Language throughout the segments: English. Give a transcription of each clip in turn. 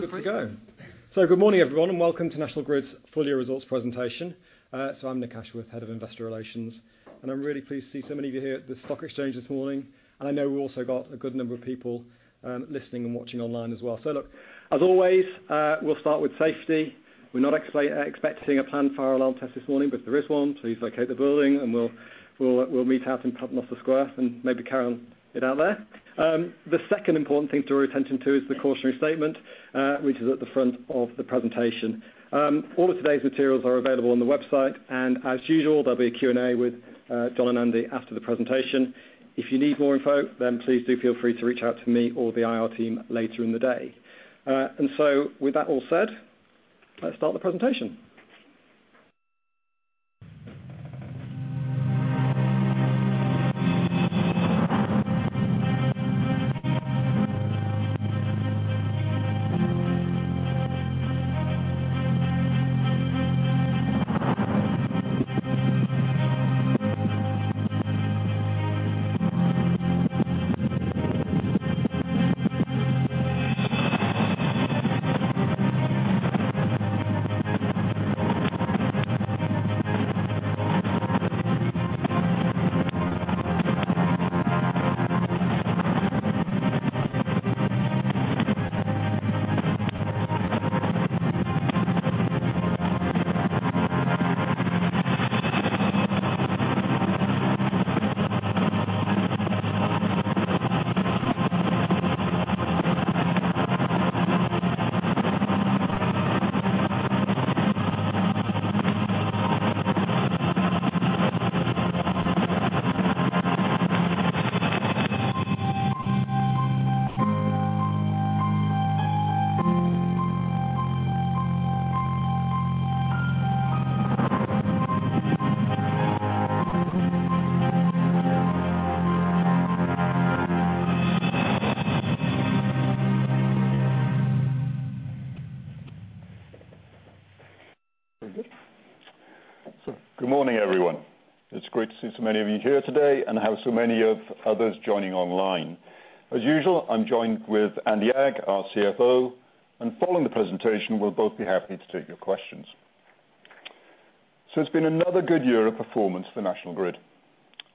Good to go. Good morning, everyone, and welcome to National Grid's full year results presentation. I'm Nick Ashworth, Head of Investor Relations, and I'm really pleased to see so many of you here at the Stock Exchange this morning. I know we've also got a good number of people listening and watching online as well. Look, as always, we'll start with safety. We're not expecting a planned fire alarm test this morning, but if there is one, please vacate the building, and we'll meet out in Trafalgar Square and maybe carry on it out there. The second important thing to draw attention to is the cautionary statement, which is at the front of the presentation. All of today's materials are available on the website. As usual, there'll be a Q&A with John and Andy after the presentation. If you need more info, please do feel free to reach out to me or the IR team later in the day. With that all said, let's start the presentation. Very good. Good morning, everyone. It's great to see so many of you here today and have so many of others joining online. As usual, I'm joined with Andy Agg, our CFO, and following the presentation, we'll both be happy to take your questions. It's been another good year of performance for National Grid.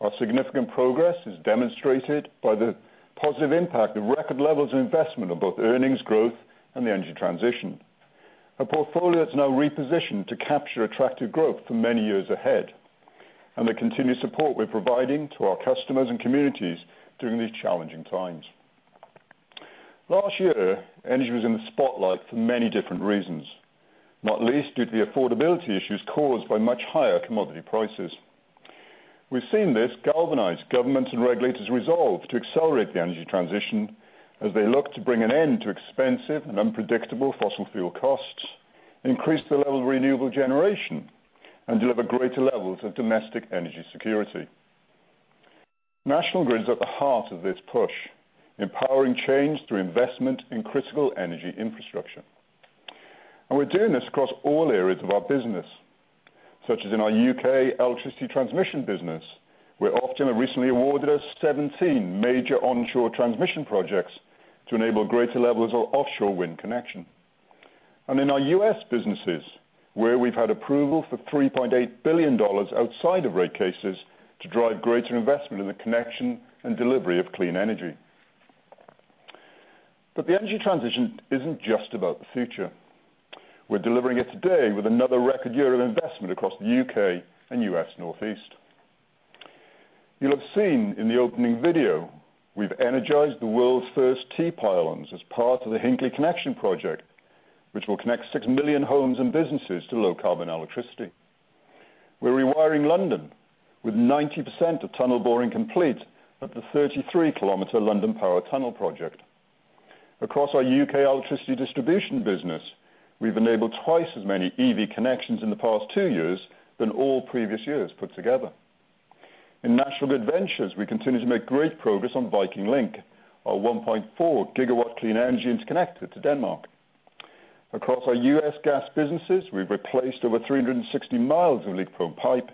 Our significant progress is demonstrated by the positive impact of record levels of investment on both earnings growth and the energy transition. Our portfolio is now repositioned to capture attractive growth for many years ahead, and the continued support we're providing to our customers and communities during these challenging times. Last year, energy was in the spotlight for many different reasons, not least due to the affordability issues caused by much higher commodity prices. We've seen this galvanize governments' and regulators' resolve to accelerate the energy transition as they look to bring an end to expensive and unpredictable fossil fuel costs, increase the level of renewable generation, and deliver greater levels of domestic energy security. National Grid is at the heart of this push, empowering change through investment in critical energy infrastructure. We're doing this across all areas of our business, such as in our U.K. Electricity Transmission business, where Ofgem have recently awarded us 17 major onshore transmission projects to enable greater levels of offshore wind connection. In our U.S. businesses, where we've had approval for $3.8 billion outside of rate cases to drive greater investment in the connection and delivery of clean energy. The energy transition isn't just about the future. We're delivering it today with another record year of investment across the U.K. and U.S. Northeast. You'll have seen in the opening video, we've energized the world's first T-pylons as part of the Hinkley Connection project, which will connect 6 million homes and businesses to low-carbon electricity. We're rewiring London with 90% of tunnel boring complete at the 33-kilometer London Power Tunnels project. Across our U.K. electricity distribution business, we've enabled twice as many EV connections in the past two years than all previous years put together. In National Grid Ventures, we continue to make great progress on Viking Link, our 1.4 GW clean energy interconnector to Denmark. Across our US Gas businesses, we've replaced over 360 miles of leak-prone pipe,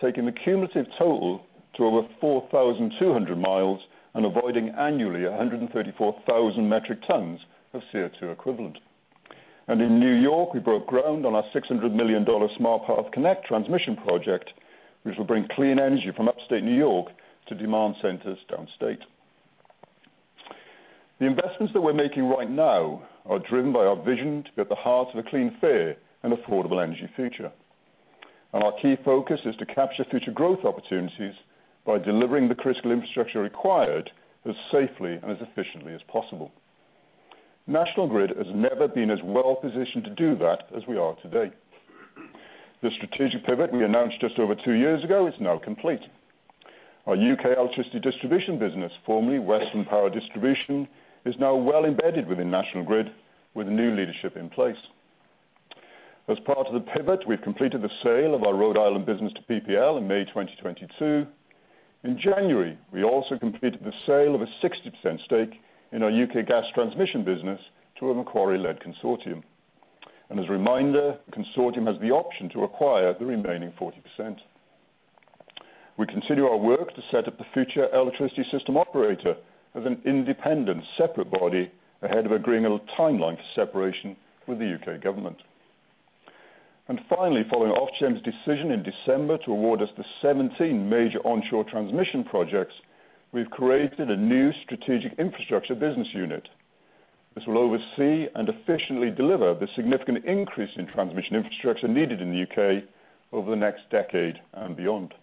taking the cumulative total to over 4,200 miles and avoiding annually 134,000 metric tons of CO2 equivalent. In New York, we broke ground on our $600 million Smart Path Connect transmission project, which will bring clean energy from Upstate New York to demand centers Downstate. The investments that we're making right now are driven by our vision to be at the heart of a clean, fair, and affordable energy future. Our key focus is to capture future growth opportunities by delivering the critical infrastructure required as safely and as efficiently as possible. National Grid has never been as well positioned to do that as we are today. The strategic pivot we announced just over two years ago is now complete. Our U.K. Electricity Distribution business, formerly Western Power Distribution, is now well embedded within National Grid with new leadership in place. As part of the pivot, we've completed the sale of our Rhode Island business to PPL in May 2022. In January, we also completed the sale of a 60% stake in our U.K. Gas Transmission business to a Macquarie-led consortium. As a reminder, the consortium has the option to acquire the remaining 40%. We continue our work to set up the future electricity system operator as an independent, separate body ahead of agreeing on a timeline for separation with the U.K. government. Finally, following Ofgem's decision in December to award us the 17 major onshore transmission projects, we've created a new strategic infrastructure business unit. This will oversee and efficiently deliver the significant increase in transmission infrastructure needed in the U.K. over the next decade and beyond.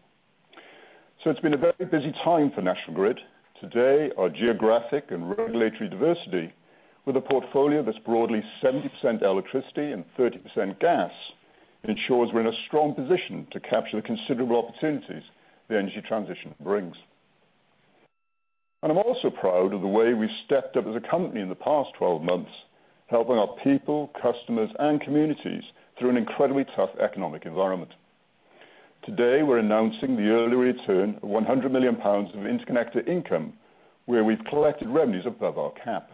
It's been a very busy time for National Grid. Our geographic and regulatory diversity, with a portfolio that's broadly 70% electricity and 30% gas, ensures we're in a strong position to capture the considerable opportunities the energy transition brings. I'm also proud of the way we've stepped up as a company in the past 12 months, helping our people, customers, and communities through an incredibly tough economic environment. We're announcing the early return of 100 million pounds of interconnector income, where we've collected revenues above our cap.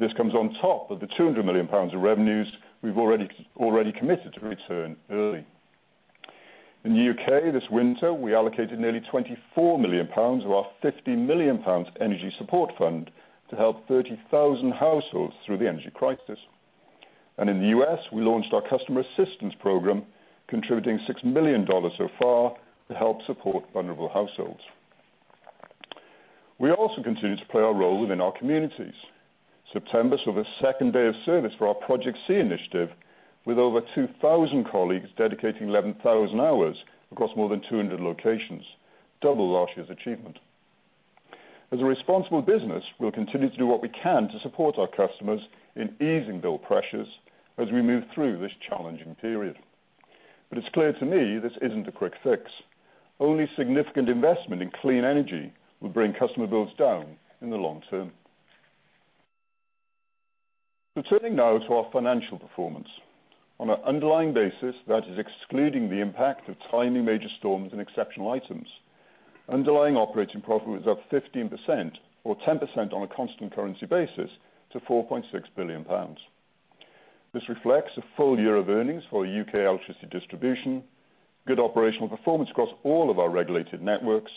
This comes on top of the 200 million pounds of revenues we've already committed to return early. In the U.K. this winter, we allocated nearly 24 million pounds of our 50 million pounds energy support fund to help 30,000 households through the energy crisis. In the U.S., we launched our customer assistance program, contributing $6 million so far to help support vulnerable households. We also continue to play our role within our communities. September saw the second day of service for our Project C initiative, with over 2,000 colleagues dedicating 11,000 hours across more than 200 locations, double last year's achievement. As a responsible business, we'll continue to do what we can to support our customers in easing bill pressures as we move through this challenging period. It's clear to me this isn't a quick fix. Only significant investment in clean energy will bring customer bills down in the long term. Turning now to our financial performance. On an underlying basis, that is excluding the impact of timing major storms and exceptional items, underlying operating profit was up 15% or 10% on a constant currency basis to 4.6 billion pounds. This reflects a full year of earnings for U.K. electricity distribution, good operational performance across all of our regulated networks,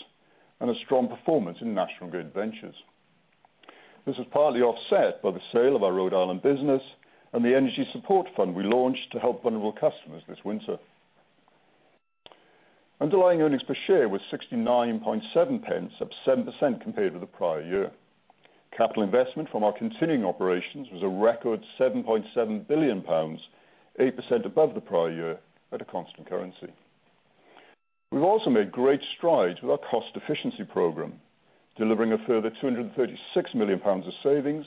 and a strong performance in National Grid Ventures. This was partly offset by the sale of our Rhode Island business and the energy support fund we launched to help vulnerable customers this winter. Underlying earnings per share was 69.7, up 7% compared to the prior year. Capital investment from our continuing operations was a record 7.7 billion pounds, 8% above the prior year at a constant currency. We've also made great strides with our cost efficiency program, delivering a further 236 million pounds of savings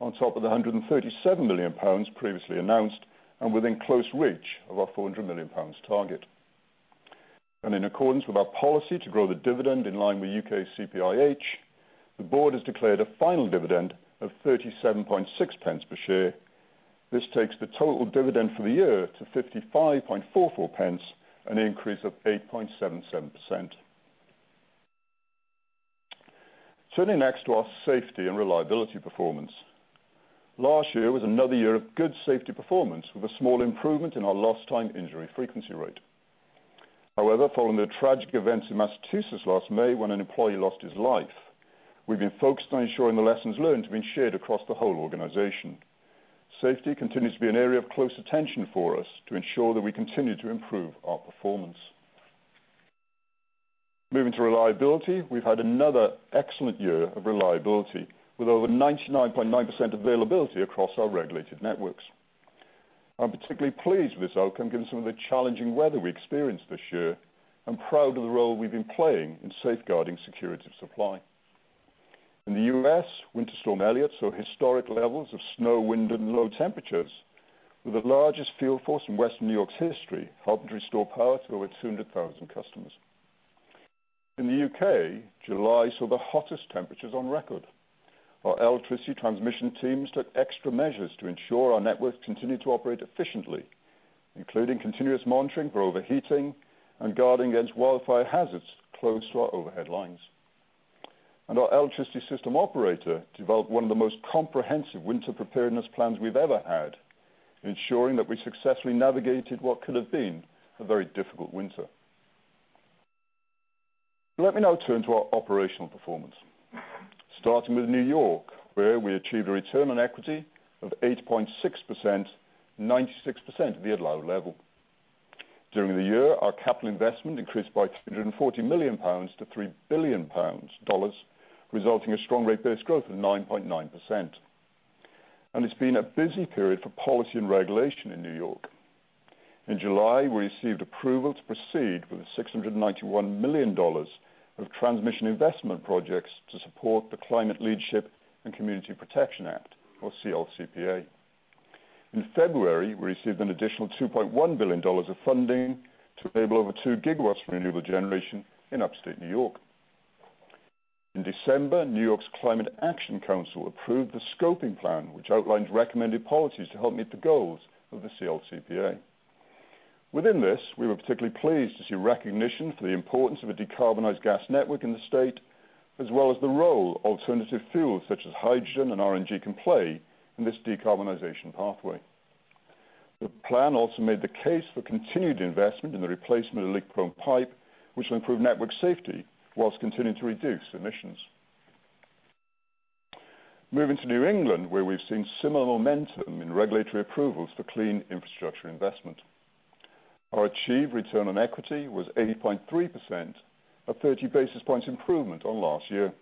on top of the 137 million pounds previously announced and within close reach of our 400 million pounds target. In accordance with our policy to grow the dividend in line with U.K. CPIH, the board has declared a final dividend of 37.6 per share. This takes the total dividend for the year to 55.44, an increase of 8.77%. Turning next to our safety and reliability performance. Last year was another year of good safety performance, with a small improvement in our lost time injury frequency rate. However, following the tragic events in Massachusetts last May when an employee lost his life, we've been focused on ensuring the lessons learned have been shared across the whole organization. Safety continues to be an area of close attention for us to ensure that we continue to improve our performance. Moving to reliability, we've had another excellent year of reliability, with over 99.9% availability across our regulated networks. I'm particularly pleased with this outcome, given some of the challenging weather we experienced this year. I'm proud of the role we've been playing in safeguarding security of supply. In the U.S., Winter Storm Elliott saw historic levels of snow, wind, and low temperatures, with the largest field force in Western New York's history helping to restore power to over 200,000 customers. In the U.K., July saw the hottest temperatures on record. Our electricity transmission teams took extra measures to ensure our networks continued to operate efficiently, including continuous monitoring for overheating and guarding against wildfire hazards close to our overhead lines. Our electricity system operator developed one of the most comprehensive winter preparedness plans we've ever had, ensuring that we successfully navigated what could have been a very difficult winter. Let me now turn to our operational performance. Starting with New York, where we achieved a return on equity of 8.6%, 96% at the allowed level. During the year, our capital investment increased by 240 million pounds to $3 billion, resulting in strong rate base growth of 9.9%. It's been a busy period for policy and regulation in New York. In July, we received approval to proceed with $691 million of transmission investment projects to support the Climate Leadership and Community Protection Act, or CLCPA. In February, we received an additional $2.1 billion of funding to enable over 2 GW of renewable generation in upstate New York. In December, New York's Climate Action Council approved the scoping plan, which outlines recommended policies to help meet the goals of the CLCPA. Within this, we were particularly pleased to see recognition for the importance of a decarbonized gas network in the state, as well as the role alternative fuels such as hydrogen and RNG can play in this decarbonization pathway. The plan also made the case for continued investment in the replacement of leak-prone pipe, which will improve network safety whilst continuing to reduce emissions. Moving to New England, where we've seen similar momentum in regulatory approvals for clean infrastructure investment. Our achieved return on equity was 80.3%, a 30 basis points improvement on last year.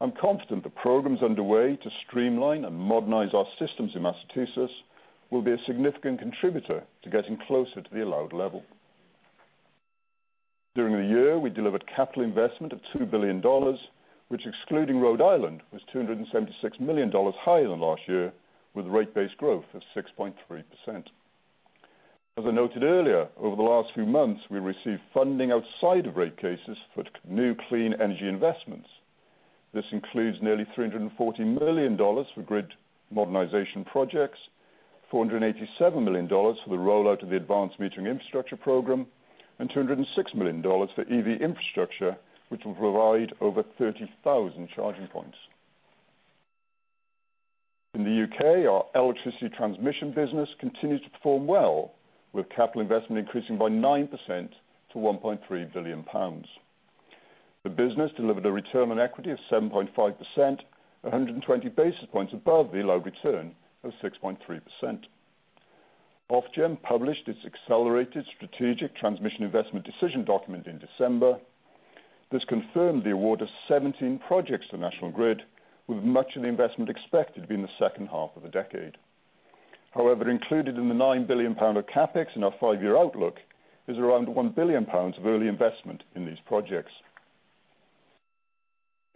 I'm confident the programs underway to streamline and modernize our systems in Massachusetts will be a significant contributor to getting closer to the allowed level. During the year, we delivered capital investment of $2 billion, which excluding Rhode Island, was $276 million higher than last year, with rate-based growth of 6.3%. As I noted earlier, over the last few months, we received funding outside of rate cases for new clean energy investments. This includes nearly $340 million for grid modernization projects, $487 million for the rollout of the advanced metering infrastructure program, and $206 million for EV infrastructure, which will provide over 30,000 charging points. In the U.K., our electricity transmission business continues to perform well, with capital investment increasing by 9% to 1.3 billion pounds. The business delivered a return on equity of 7.5%, 120 basis points above the allowed return of 6.3%. Ofgem published its accelerated strategic transmission investment decision document in December. This confirmed the award of 17 projects to National Grid, with much of the investment expected to be in the second half of the decade. Included in the 9 billion pound of CapEx in our five-year outlook is around 1 billion pounds of early investment in these projects.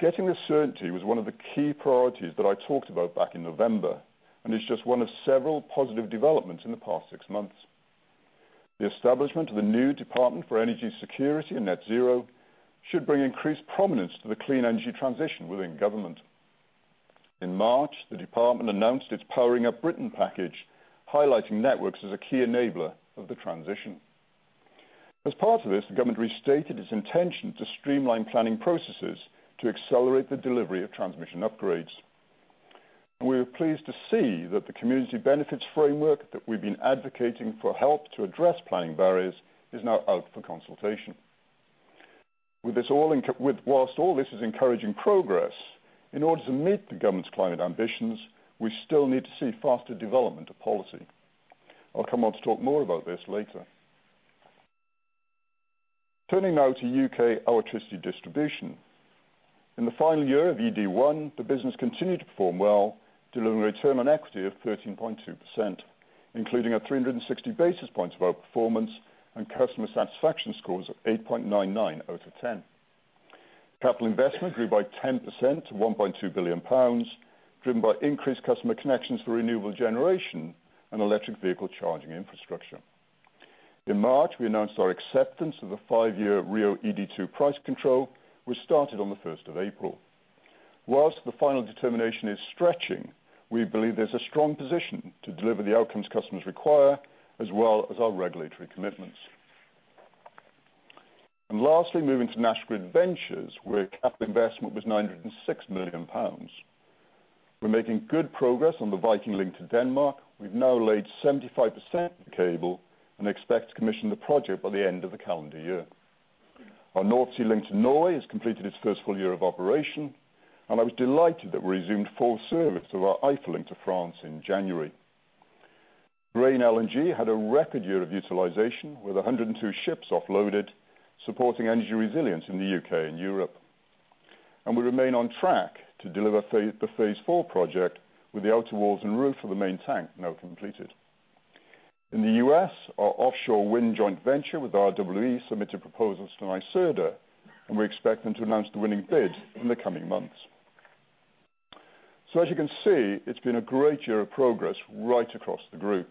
Getting the certainty was one of the key priorities that I talked about back in November. It's just one of several positive developments in the past six months. The establishment of the new Department for Energy Security and Net Zero should bring increased prominence to the clean energy transition within government. In March, the department announced its Powering Up Britain package, highlighting networks as a key enabler of the transition. As part of this, the government restated its intention to streamline planning processes to accelerate the delivery of transmission upgrades. We're pleased to see that the community benefits framework that we've been advocating for help to address planning barriers is now out for consultation. Whilst all this is encouraging progress, in order to meet the government's climate ambitions, we still need to see faster development of policy. I'll come on to talk more about this later. Turning now to U.K. Electricity Distribution. In the final year of ED1, the business continued to perform well, delivering a return on equity of 13.2%, including a 360 basis points of outperformance and customer satisfaction scores of 8.99 out of 10. Capital investment grew by 10% to 1.2 billion pounds, driven by increased customer connections for renewable generation and electric vehicle charging infrastructure. In March, we announced our acceptance of the five-year RIIO-ED2 price control, which started on the 1st of April. Whilst the final determination is stretching, we believe there's a strong position to deliver the outcomes customers require, as well as our regulatory commitments. Lastly, moving to National Grid Ventures, where capital investment was 906 million pounds. We're making good progress on the Viking Link to Denmark. We've now laid 75% of the cable and expect to commission the project by the end of the calendar year. Our North Sea Link to Norway has completed its first full year of operation, and I was delighted that we resumed full service to our IFA link to France in January. Grain LNG had a record year of utilization, with 102 ships offloaded, supporting energy resilience in the U.K. and Europe. We remain on track to deliver the phase four project with the outer walls and roof of the main tank now completed. In the U.S., our offshore wind joint venture with RWE submitted proposals to NYSERDA, and we expect them to announce the winning bid in the coming months. As you can see, it's been a great year of progress right across the Group.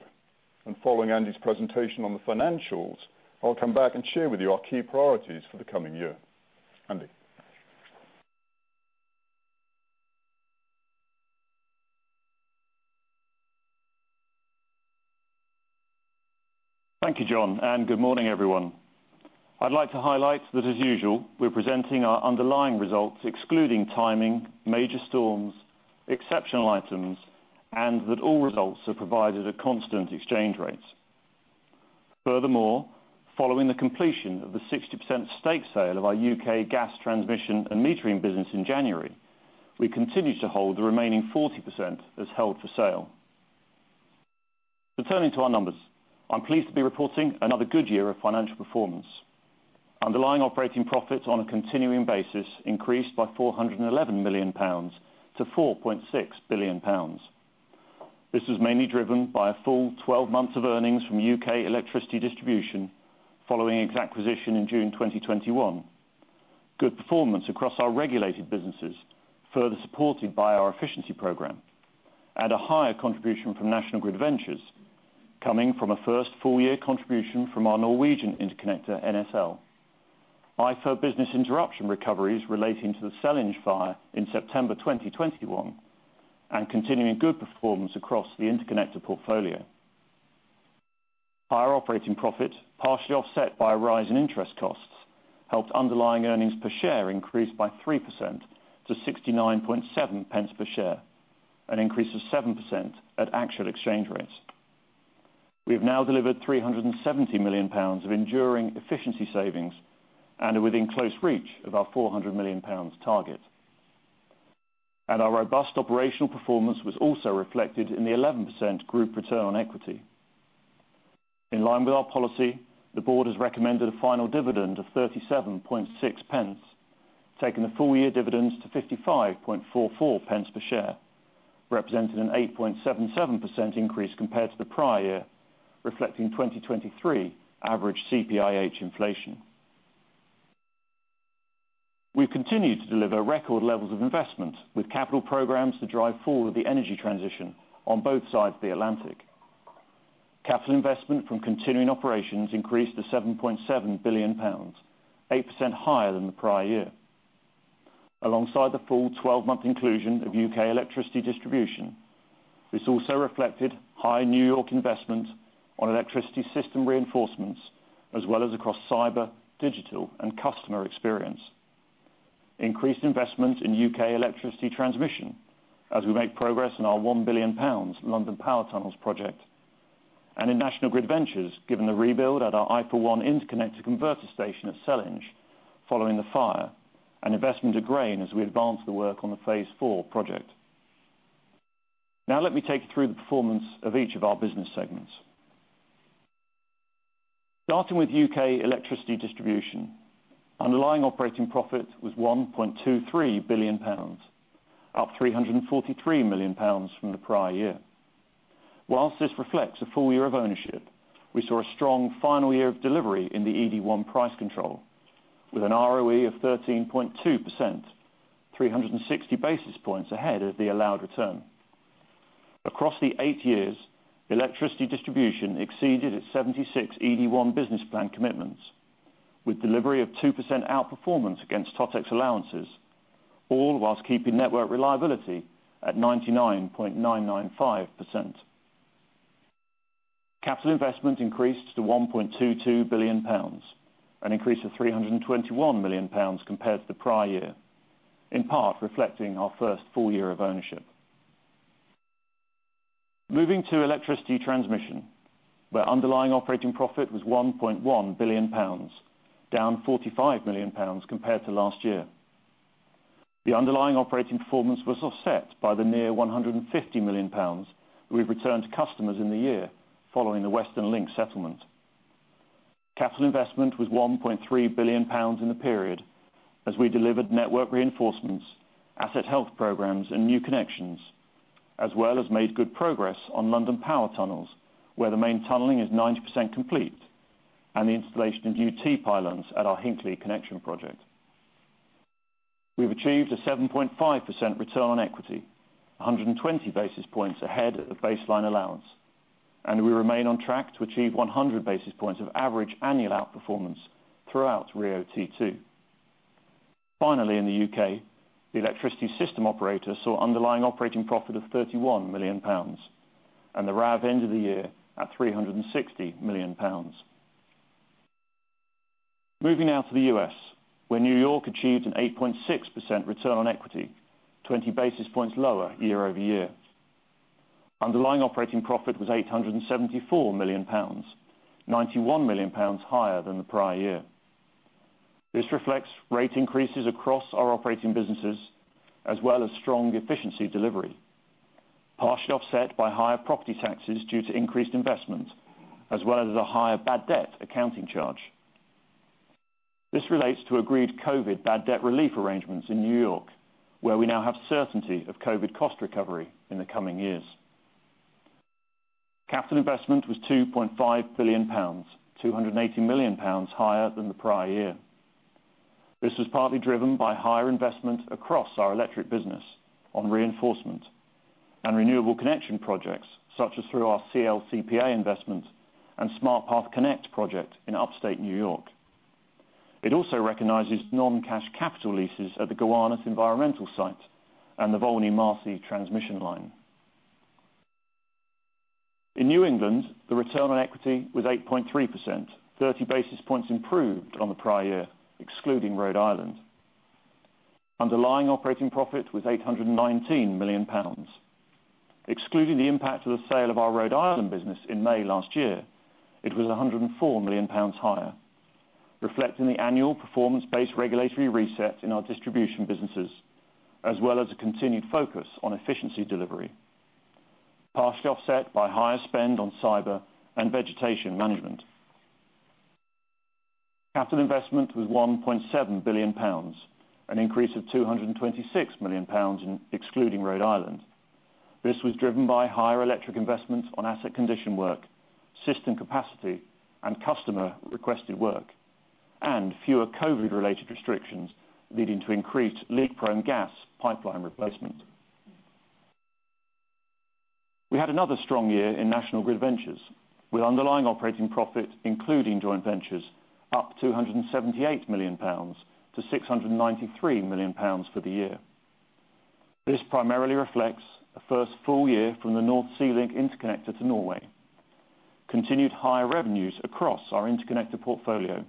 Following Andy's presentation on the financials, I'll come back and share with you our key priorities for the coming year. Andy? Thank you, John. Good morning, everyone. I'd like to highlight that, as usual, we're presenting our underlying results excluding timing, major storms, exceptional items, and that all results are provided at constant exchange rates. Furthermore, following the completion of the 60% stake sale of our U.K. Gas Transmission and metering business in January, we continue to hold the remaining 40% as held for sale. Turning to our numbers, I'm pleased to be reporting another good year of financial performance. Underlying operating profits on a continuing basis increased by 411 million-4.6 billion pounds. This was mainly driven by a full 12 months of earnings from U.K. Electricity Distribution following its acquisition in June 2021. Good performance across our regulated businesses, further supported by our efficiency program, a higher contribution from National Grid Ventures coming from a first full-year contribution from our Norwegian interconnector, NSL. IFA business interruption recoveries relating to the Sellindge fire in September 2021, continuing good performance across the interconnector portfolio. Our operating profit, partially offset by a rise in interest costs, helped underlying earnings per share increase by 3% to 69.7 per share, an increase of 7% at actual exchange rates. We have now delivered 370 million pounds of enduring efficiency savings and are within close reach of our 400 million pounds target. Our robust operational performance was also reflected in the 11% group return on equity. In line with our policy, the board has recommended a final dividend of 0.376, taking the full year dividends to 0.5544 per share, representing an 8.77% increase compared to the prior year, reflecting 2023 average CPIH inflation. We've continued to deliver record levels of investment with capital programs to drive forward the energy transition on both sides of the Atlantic. Capital investment from continuing operations increased to 7.7 billion pounds, 8% higher than the prior year. Alongside the full 12-month inclusion of U.K. Electricity Distribution, this also reflected high New York investment on electricity system reinforcements, as well as across cyber, digital, and customer experience. Increased investment in U.K. electricity transmission as we make progress in our 1 billion pounds London Power Tunnels project, and in National Grid Ventures, given the rebuild at our IFA1 Interconnector Converter Station at Sellindge following the fire, and investment at Grain as we advance the work on the phase four project. Let me take you through the performance of each of our business segments. Starting with U.K. Electricity Distribution, underlying operating profit was 1.23 billion pounds, up 343 million pounds from the prior year. Whilst this reflects a full year of ownership, we saw a strong final year of delivery in the ED1 price control with an ROE of 13.2%, 360 basis points ahead of the allowed return. Across the eight years, electricity distribution exceeded its 76 ED1 business plan commitments with delivery of 2% outperformance against Totex allowances, all whilst keeping network reliability at 99.995%. Capital investment increased to GBP 1.22 billion, an increase of GBP 321 million compared to the prior year, in part reflecting our first full year of ownership. Moving to electricity transmission, where underlying operating profit was 1.1 billion pounds, down 45 million pounds compared to last year. The underlying operating performance was offset by the near 150 million pounds we've returned to customers in the year following the Western Link settlement. Capital investment was 1.3 billion pounds in the period as we delivered network reinforcements, asset health programs and new connections, as well as made good progress on London Power Tunnels, where the main tunneling is 90% complete, and the installation of new T-pylons at our Hinkley Connection project. We've achieved a 7.5% return on equity, 120 basis points ahead of baseline allowance, and we remain on track to achieve 100 basis points of average annual outperformance throughout RIIO-T2. Finally, in the U.K., the electricity system operator saw underlying operating profit of 31 million pounds and the RAV end of the year at 360 million pounds. Moving now to the U.S., where New York achieved an 8.6% return on equity, 20 basis points lower year-over-year. Underlying operating profit was 874 million pounds, 91 million pounds higher than the prior year. This reflects rate increases across our operating businesses as well as strong efficiency delivery, partially offset by higher property taxes due to increased investment, as well as a higher bad debt accounting charge. This relates to agreed COVID bad debt relief arrangements in New York, where we now have certainty of COVID cost recovery in the coming years. Capital investment was 2.5 billion pounds, 280 million pounds higher than the prior year. This was partly driven by higher investment across our electric business on reinforcement and renewable connection projects such as through our CLCPA investment and Smart Path Connect project in upstate New York. It also recognizes non-cash capital leases at the Gowanus environmental site and the Volney to Marcy transmission line. In New England, the return on equity was 8.3%, 30 basis points improved on the prior year, excluding Rhode Island. Underlying operating profit was 819 million pounds. Excluding the impact of the sale of our Rhode Island business in May last year, it was 104 million pounds higher, reflecting the annual performance-based regulatory reset in our distribution businesses, as well as a continued focus on efficiency delivery, partially offset by higher spend on cyber and vegetation management. Capital investment was GBP 1.7 billion, an increase of GBP 226 million in excluding Rhode Island. This was driven by higher electric investments on asset condition work, system capacity, and customer-requested work, and fewer COVID-related restrictions, leading to increased leak-prone gas pipeline replacement. We had another strong year in National Grid Ventures, with underlying operating profit, including joint ventures, up 278 million pounds to 693 million pounds for the year. Primarily reflects the first full year from the North Sea Link interconnector to Norway, continued higher revenues across our interconnector portfolio,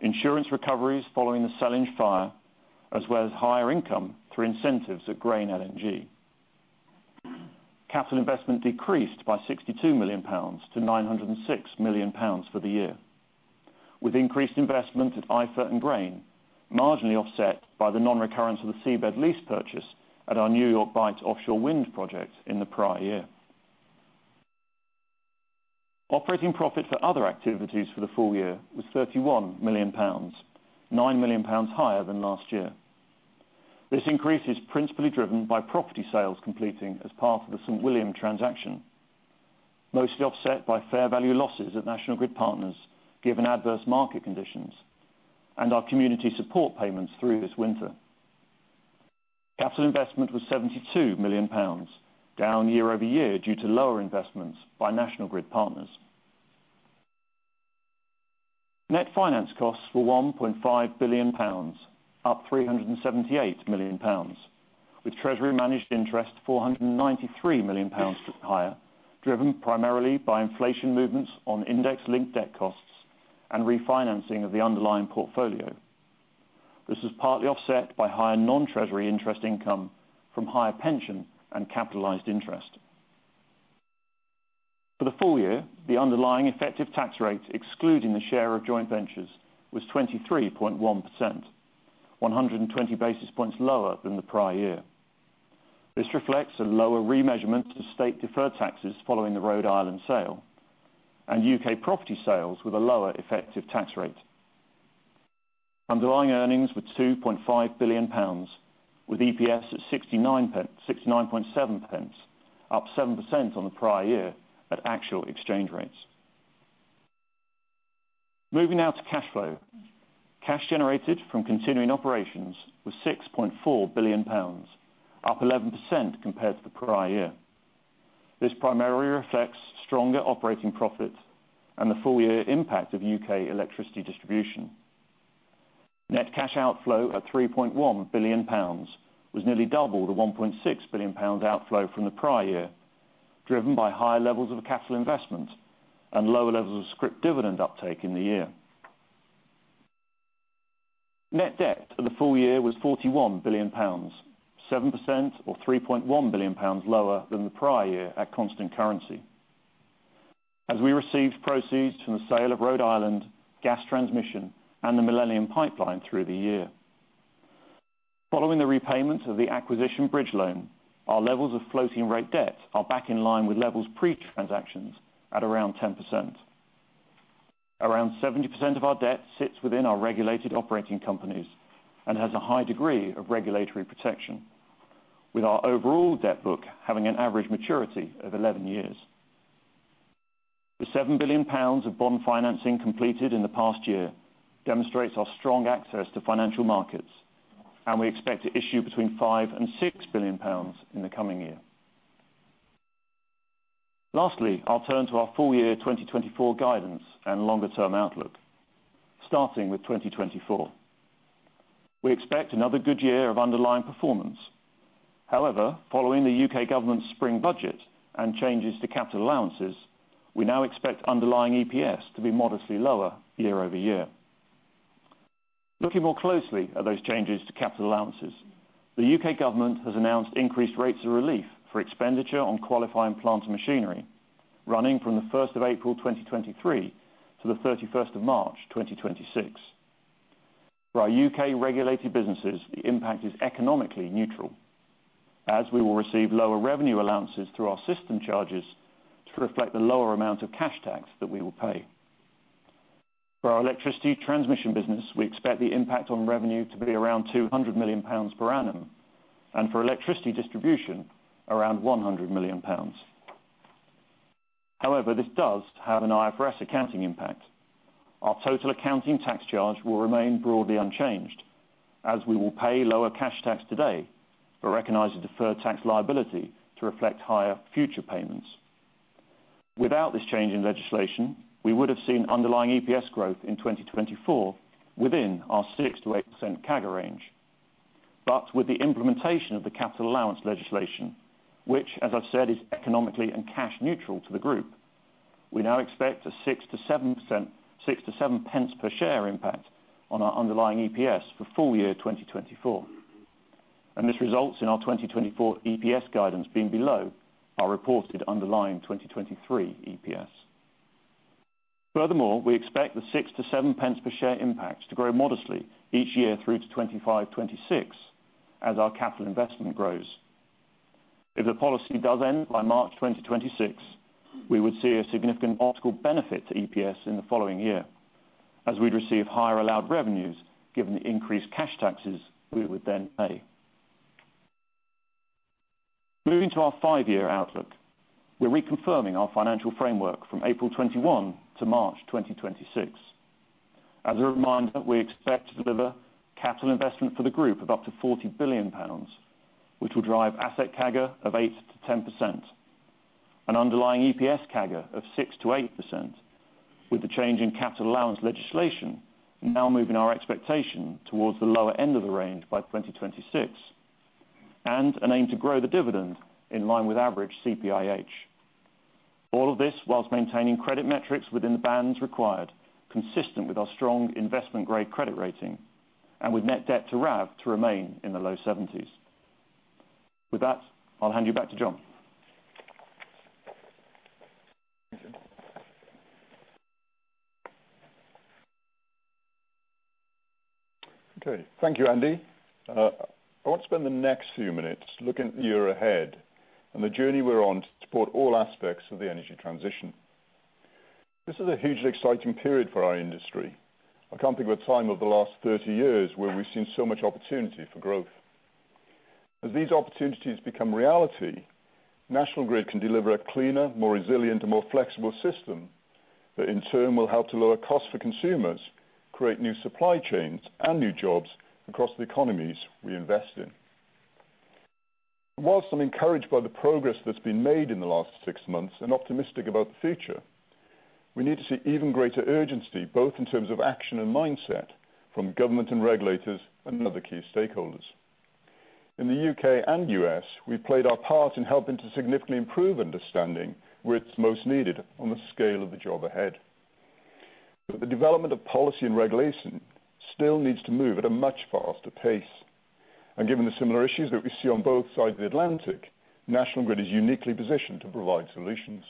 insurance recoveries following the Sellindge fire, as well as higher income through incentives at Grain LNG. Capital investment decreased by GBP 62 million to GBP 906 million for the year, with increased investment at IFA and Grain marginally offset by the non-recurrence of the seabed lease purchase at our New York Bight offshore wind project in the prior year. Operating profit for other activities for the full year was 31 million pounds, 9 million pounds higher than last year. This increase is principally driven by property sales completing as part of the St. William transaction, mostly offset by fair value losses at National Grid Partners, given adverse market conditions and our community support payments through this winter. Capital investment was 72 million pounds, down year-over-year due to lower investments by National Grid Partners. Net finance costs were 1.5 billion pounds, up 378 million pounds, with treasury managed interest 493 million pounds higher, driven primarily by inflation movements on index-linked debt costs and refinancing of the underlying portfolio. This is partly offset by higher non-treasury interest income from higher pension and capitalized interest. For the full year, the underlying effective tax rate, excluding the share of joint ventures, was 23.1%, 120 basis points lower than the prior year. This reflects a lower remeasurement of state-deferred taxes following the Rhode Island sale and U.K. property sales with a lower effective tax rate. Underlying earnings were 2.5 billion pounds with EPS at 69.7, up 7% on the prior year at actual exchange rates. Moving now to cash flow. Cash generated from continuing operations was 6.4 billion pounds, up 11% compared to the prior year. This primarily reflects stronger operating profits and the full year impact of U.K. electricity distribution. Net cash outflow at 3.1 billion pounds was nearly double the 1.6 billion pound outflow from the prior year, driven by higher levels of capital investment and lower levels of scrip dividend uptake in the year. Net debt for the full year was 41 billion pounds, 7% or 3.1 billion pounds lower than the prior year at constant currency. We received proceeds from the sale of Rhode Island, gas transmission, and the Millennium Pipeline through the year. Following the repayment of the acquisition bridge loan, our levels of floating rate debt are back in line with levels pre-transactions at around 10%. Around 70% of our debt sits within our regulated operating companies and has a high degree of regulatory protection with our overall debt book having an average maturity of 11 years. The 7 billion pounds of bond financing completed in the past year demonstrates our strong access to financial markets, and we expect to issue between 5 billion and 6 billion pounds in the coming year. Lastly, I'll turn to our full year 2024 guidance and longer-term outlook. Starting with 2024. We expect another good year of underlying performance. Following the U.K. government's spring budget and changes to capital allowances, we now expect underlying EPS to be modestly lower year-over-year. Looking more closely at those changes to capital allowances, the U.K. government has announced increased rates of relief for expenditure on qualifying plant machinery running from the first of April 2023 to the thirty-first of March 2026. For our U.K.-regulated businesses, the impact is economically neutral as we will receive lower revenue allowances through our system charges to reflect the lower amount of cash tax that we will pay. For our Electricity Transmission business, we expect the impact on revenue to be around 200 million pounds per annum and for electricity distribution around 100 million pounds. This does have an IFRS accounting impact. Our total accounting tax charge will remain broadly unchanged as we will pay lower cash tax today, but recognize the deferred tax liability to reflect higher future payments. Without this change in legislation, we would have seen underlying EPS growth in 2024 within our 6%-8% CAGR range. With the implementation of the capital allowance legislation, which as I've said, is economically and cash neutral to the group, we now expect a 0.06-0.07 per share impact on our underlying EPS for full year 2024. This results in our 2024 EPS guidance being below our reported underlying 2023 EPS. Furthermore, we expect the 0.06-0.07 per share impact to grow modestly each year through to 2025-2026 as our capital investment grows. If the policy does end by March 2026, we would see a significant multiple benefit to EPS in the following year as we'd receive higher allowed revenues given the increased cash taxes we would then pay. Moving to our five-year outlook, we're reconfirming our financial framework from April 2021 to March 2026. As a reminder, we expect to deliver capital investment for the group of up to GBP 40 billion, which will drive asset CAGR of 8%-10%. An underlying EPS CAGR of 6%-8%, with the change in capital allowance legislation now moving our expectation towards the lower end of the range by 2026. An aim to grow the dividend in line with average CPIH. All of this while maintaining credit metrics within the bands required, consistent with our strong investment-grade credit rating, and with net debt to RAV to remain in the low 70s%. With that, I'll hand you back to John. Okay. Thank you, Andy. I want to spend the next few minutes looking at the year ahead and the journey we're on to support all aspects of the energy transition. This is a hugely exciting period for our industry. I can't think of a time over the last 30 years where we've seen so much opportunity for growth. As these opportunities become reality, National Grid can deliver a cleaner, more resilient, and more flexible system that, in turn, will help to lower costs for consumers, create new supply chains and new jobs across the economies we invest in. Whilst I'm encouraged by the progress that's been made in the last six months and optimistic about the future, we need to see even greater urgency, both in terms of action and mindset, from government and regulators and other key stakeholders. In the U.K. and U.S., we've played our part in helping to significantly improve understanding where it's most needed on the scale of the job ahead. The development of policy and regulation still needs to move at a much faster pace. Given the similar issues that we see on both sides of the Atlantic, National Grid is uniquely positioned to provide solutions.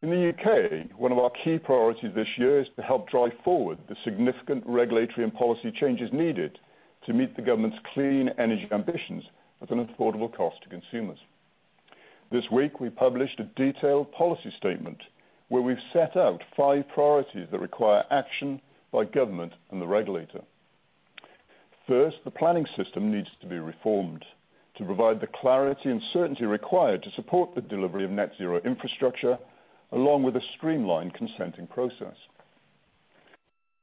In the U.K., one of our key priorities this year is to help drive forward the significant regulatory and policy changes needed to meet the government's clean energy ambitions at an affordable cost to consumers. This week, we published a detailed policy statement where we've set out five priorities that require action by government and the regulator. First, the planning system needs to be reformed to provide the clarity and certainty required to support the delivery of net zero infrastructure, along with a streamlined consenting process.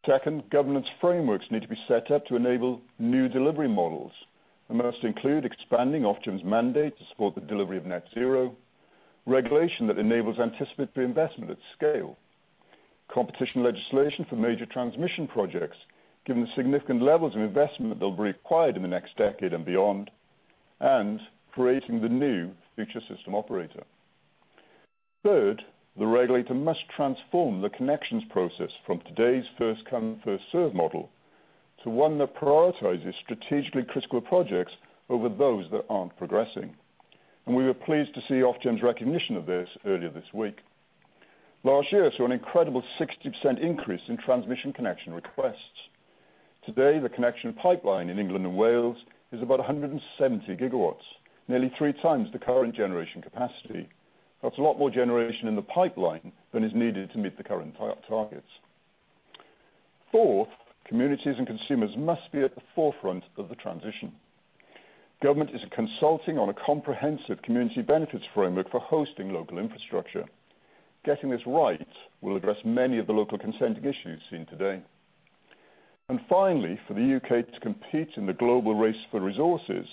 Second, governance frameworks need to be set up to enable new delivery models, and must include expanding Ofgem's mandate to support the delivery of net zero. Regulation that enables anticipatory investment at scale. Competition legislation for major transmission projects, given the significant levels of investment that will be required in the next decade and beyond. Creating the new future system operator. Third, the regulator must transform the connections process from today's first come, first served model to one that prioritizes strategically critical projects over those that aren't progressing. We were pleased to see Ofgem's recognition of this earlier this week. Last year saw an incredible 60% increase in transmission connection requests. Today, the connection pipeline in England and Wales is about 170 GW, nearly three times the current generation capacity. That's a lot more generation in the pipeline than is needed to meet the current targets. Fourth, communities and consumers must be at the forefront of the transition. government is consulting on a comprehensive community benefits framework for hosting local infrastructure. Getting this right will address many of the local consenting issues seen today. Finally, for the U.K. to compete in the global race for resources,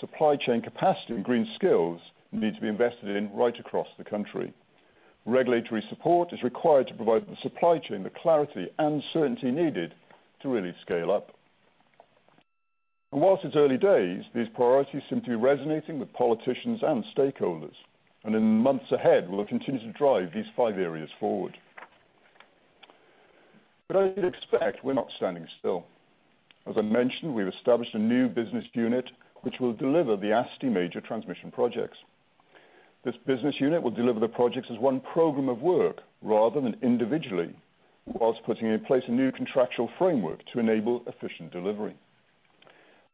supply chain capacity and green skills need to be invested in right across the country. Regulatory support is required to provide the supply chain the clarity and certainty needed to really scale up. While it's early days, these priorities seem to be resonating with politicians and stakeholders, and in the months ahead, we will continue to drive these five areas forward. As you'd expect, we're not standing still. As I mentioned, we've established a new business unit, which will deliver the ASTI major transmission projects. This business unit will deliver the projects as one program of work rather than individually, whilst putting in place a new contractual framework to enable efficient delivery.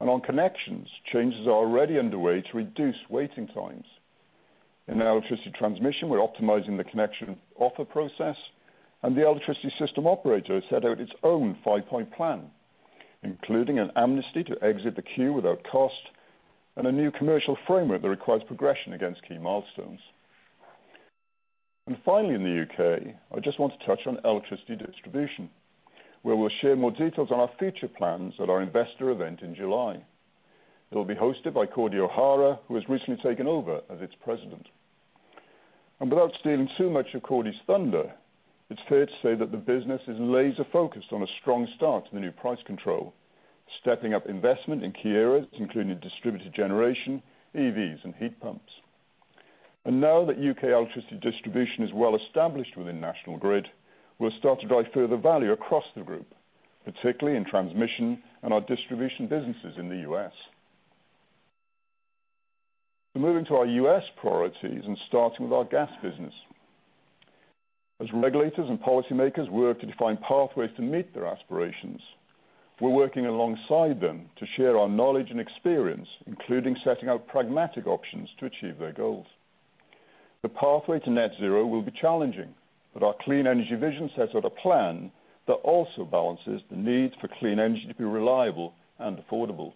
On connections, changes are already underway to reduce waiting times. In our electricity transmission, we're optimizing the connection offer process, and the Electricity System Operator has set out its own five-point plan, including an amnesty to exit the queue without cost and a new commercial framework that requires progression against key milestones. Finally, in the U.K., I just want to touch on electricity distribution, where we'll share more details on our future plans at our investor event in July. It'll be hosted by Cordi O'Hara, who has recently taken over as its president. Without stealing too much of Cordi's thunder, it's fair to say that the business is laser-focused on a strong start in the new price control, stepping up investment in key areas, including distributed generation, EVs, and heat pumps. Now that U.K. electricity distribution is well-established within National Grid, we'll start to drive further value across the group, particularly in transmission and our distribution businesses in the U.S. Moving to our U.S. priorities and starting with our gas business. As regulators and policymakers work to define pathways to meet their aspirations, we're working alongside them to share our knowledge and experience, including setting out pragmatic options to achieve their goals. The pathway to net zero will be challenging, but our clean energy vision sets out a plan that also balances the need for clean energy to be reliable and affordable.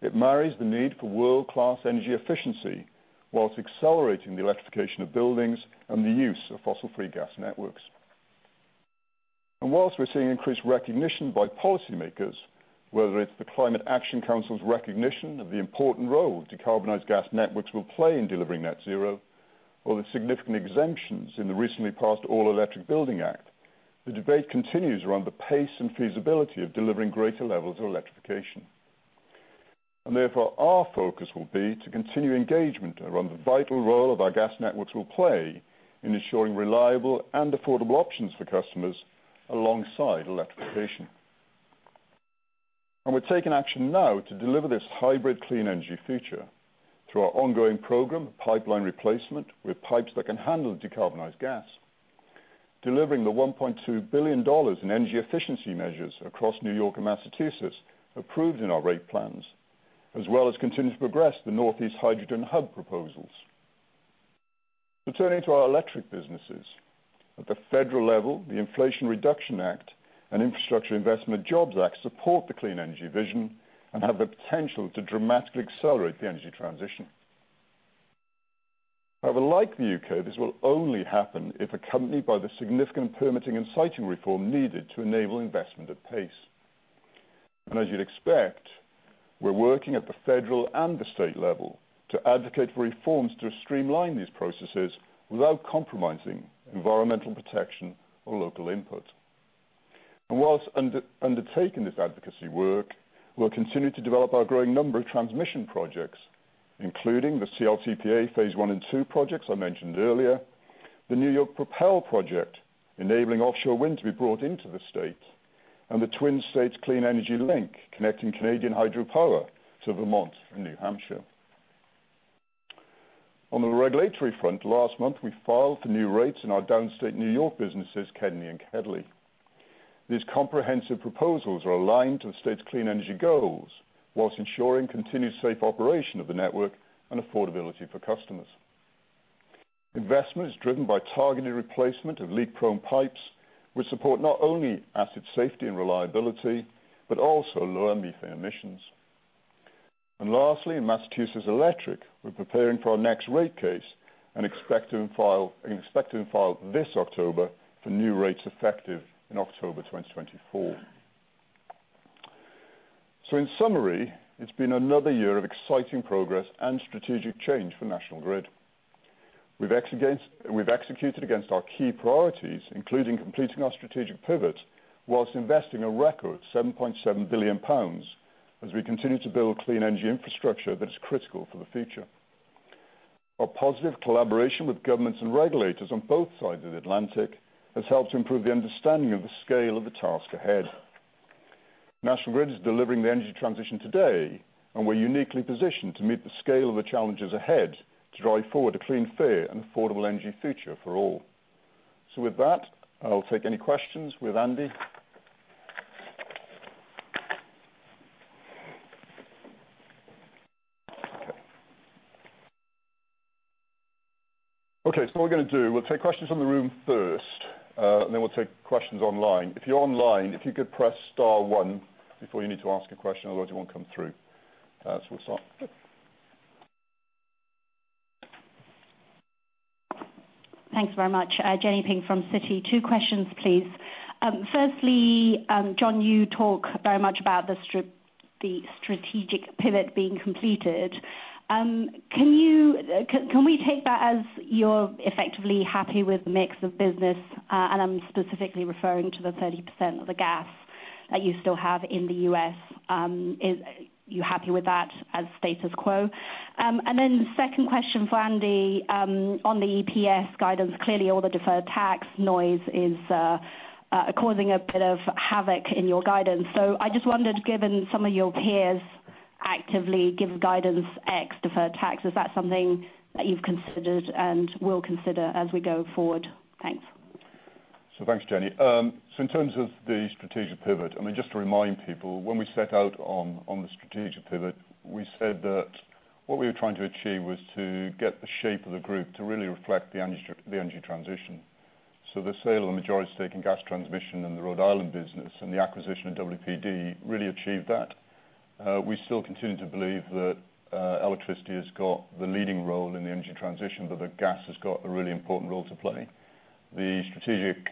It marries the need for world-class energy efficiency while accelerating the electrification of buildings and the use of fossil-free gas networks. While we're seeing increased recognition by policymakers, whether it's the Climate Action Council's recognition of the important role decarbonized gas networks will play in delivering net zero, or the significant exemptions in the recently passed All-Electric Building Act, the debate continues around the pace and feasibility of delivering greater levels of electrification. Therefore, our focus will be to continue engagement around the vital role of our gas networks will play in ensuring reliable and affordable options for customers alongside electrification. We're taking action now to deliver this hybrid clean energy future through our ongoing program, pipeline replacement with pipes that can handle decarbonized gas, delivering the $1.2 billion in energy efficiency measures across New York and Massachusetts approved in our rate plans, as well as continue to progress the Northeast hydrogen hub proposals. Turning to our electric businesses. At the federal level, the Inflation Reduction Act and Infrastructure Investment and Jobs Act support the clean energy vision and have the potential to dramatically accelerate the energy transition. However, like the U.K., this will only happen if accompanied by the significant permitting and citing reform needed to enable investment at pace. As you'd expect, we're working at the federal and the state level to advocate for reforms to streamline these processes without compromising environmental protection or local input. Whilst undertaking this advocacy work, we'll continue to develop our growing number of transmission projects, including the CLCPA Phase One and Two projects I mentioned earlier, the Propel NY Energy project, enabling offshore wind to be brought into the state, and the Twin States Clean Energy Link, connecting Canadian hydropower to Vermont and New Hampshire. On the regulatory front, last month, we filed for new rates in our downstate New York businesses, KEDNY and KEDLI. These comprehensive proposals are aligned to the state's clean energy goals whilst ensuring continued safe operation of the network and affordability for customers. Investment is driven by targeted replacement of leak-prone pipes, which support not only asset safety and reliability, but also lower methane emissions. Lastly, in Massachusetts Electric, we're preparing for our next rate case and expecting to file this October for new rates effective in October 2024. In summary, it's been another year of exciting progress and strategic change for National Grid. We've executed against our key priorities, including completing our strategic pivot whilst investing a record 7.7 billion pounds as we continue to build clean energy infrastructure that is critical for the future. Our positive collaboration with governments and regulators on both sides of the Atlantic has helped to improve the understanding of the scale of the task ahead. National Grid is delivering the energy transition today, we're uniquely positioned to meet the scale of the challenges ahead to drive forward a clean, fair and affordable energy future for all. With that, I'll take any questions with Andy. Okay. What we're gonna do, we'll take questions from the room first, then we'll take questions online. If you're online, if you could press star one before you need to ask a question, although it won't come through. We'll start. Thanks very much. Jenny Ping from Citi. Two questions, please. Firstly, John, you talk very much about the strategic pivot being completed. Can we take that as you're effectively happy with the mix of business? And I'm specifically referring to the 30% of the gas that you still have in the U.S. is you happy with that as status quo? And then second question for Andy, on the EPS guidance. Clearly, all the deferred tax noise is causing a bit of havoc in your guidance. I just wondered, given some of your peers actively give guidance x deferred tax, is that something that you've considered and will consider as we go forward? Thanks. Thanks, Jenny. In terms of the strategic pivot, just to remind people, when we set out on the strategic pivot, we said that what we were trying to achieve was to get the shape of the group to really reflect the energy transition. The sale of majority stake in gas transmission and the Rhode Island business and the acquisition of WPD really achieved that. We still continue to believe that electricity has got the leading role in the energy transition, but the gas has got a really important role to play. The strategic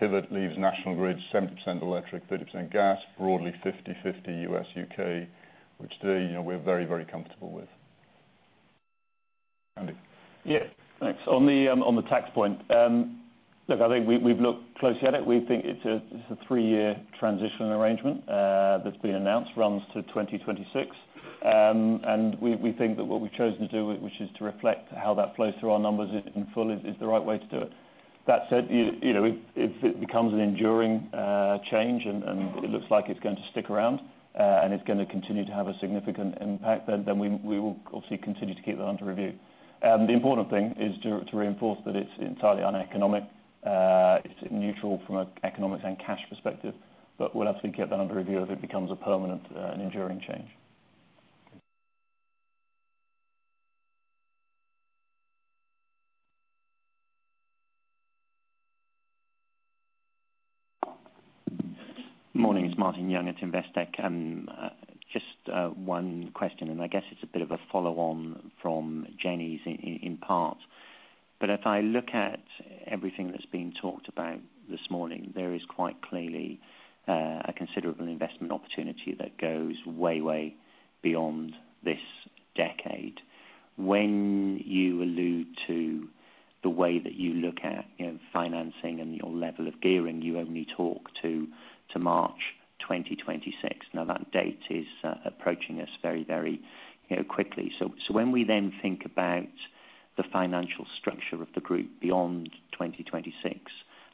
pivot leaves National Grid 7% electric, 30% gas, broadly 50/50 U.S., U.K., which today, you know, we're very, very comfortable with. Andy. Yeah. Thanks. On the on the tax point, I think we've looked closely at it. We think it's a three-year transition arrangement that's been announced, runs to 2026. We think that what we've chosen to do, which is to reflect how that flows through our numbers in full is the right way to do it. That said, you know, if it becomes an enduring change and it looks like it's going to stick around and it's going to continue to have a significant impact, then we will obviously continue to keep that under review. The important thing is to reinforce that it's entirely uneconomic. It's neutral from an economics and cash perspective, but we'll absolutely keep that under review if it becomes a permanent and enduring change. Morning, it's Martin Young at Investec. just one question, and I guess it's a bit of a follow on from Jenny's in part. If I look at everything that's being talked about this morning, there is quite clearly a considerable investment opportunity that goes way beyond this decade. When you allude to the way that you look at, you know, financing and your level of gearing, you only talk to March 2026. Now that date is approaching us very quickly. When we then think about the financial structure of the group beyond 2026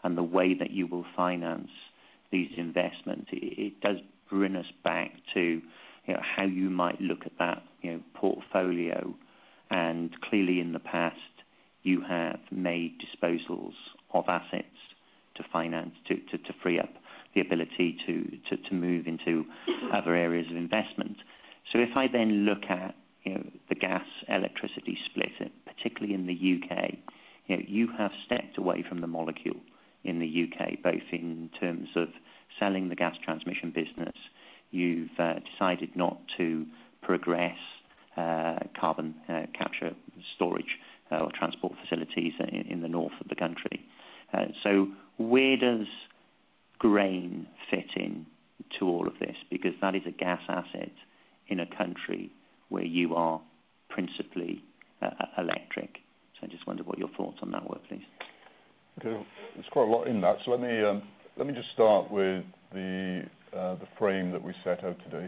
and the way that you will finance these investments, it does bring us back to, you know, how you might look at that, you know, portfolio. Clearly in the past, you have made disposals of assets to finance to free up the ability to move into other areas of investment. If I then look at, you know, the gas electricity split, particularly in the U.K., you know, you have stepped away from the molecule in the U.K., both in terms of selling the gas transmission business. You've decided not to progress carbon capture storage or transport facilities in the north of the country. Where does Grain fit in to all of this? Because that is a gas asset in a country where you are principally electric. I just wondered what your thoughts on that were, please. Okay. There's quite a lot in that. Let me just start with the frame that we set out today.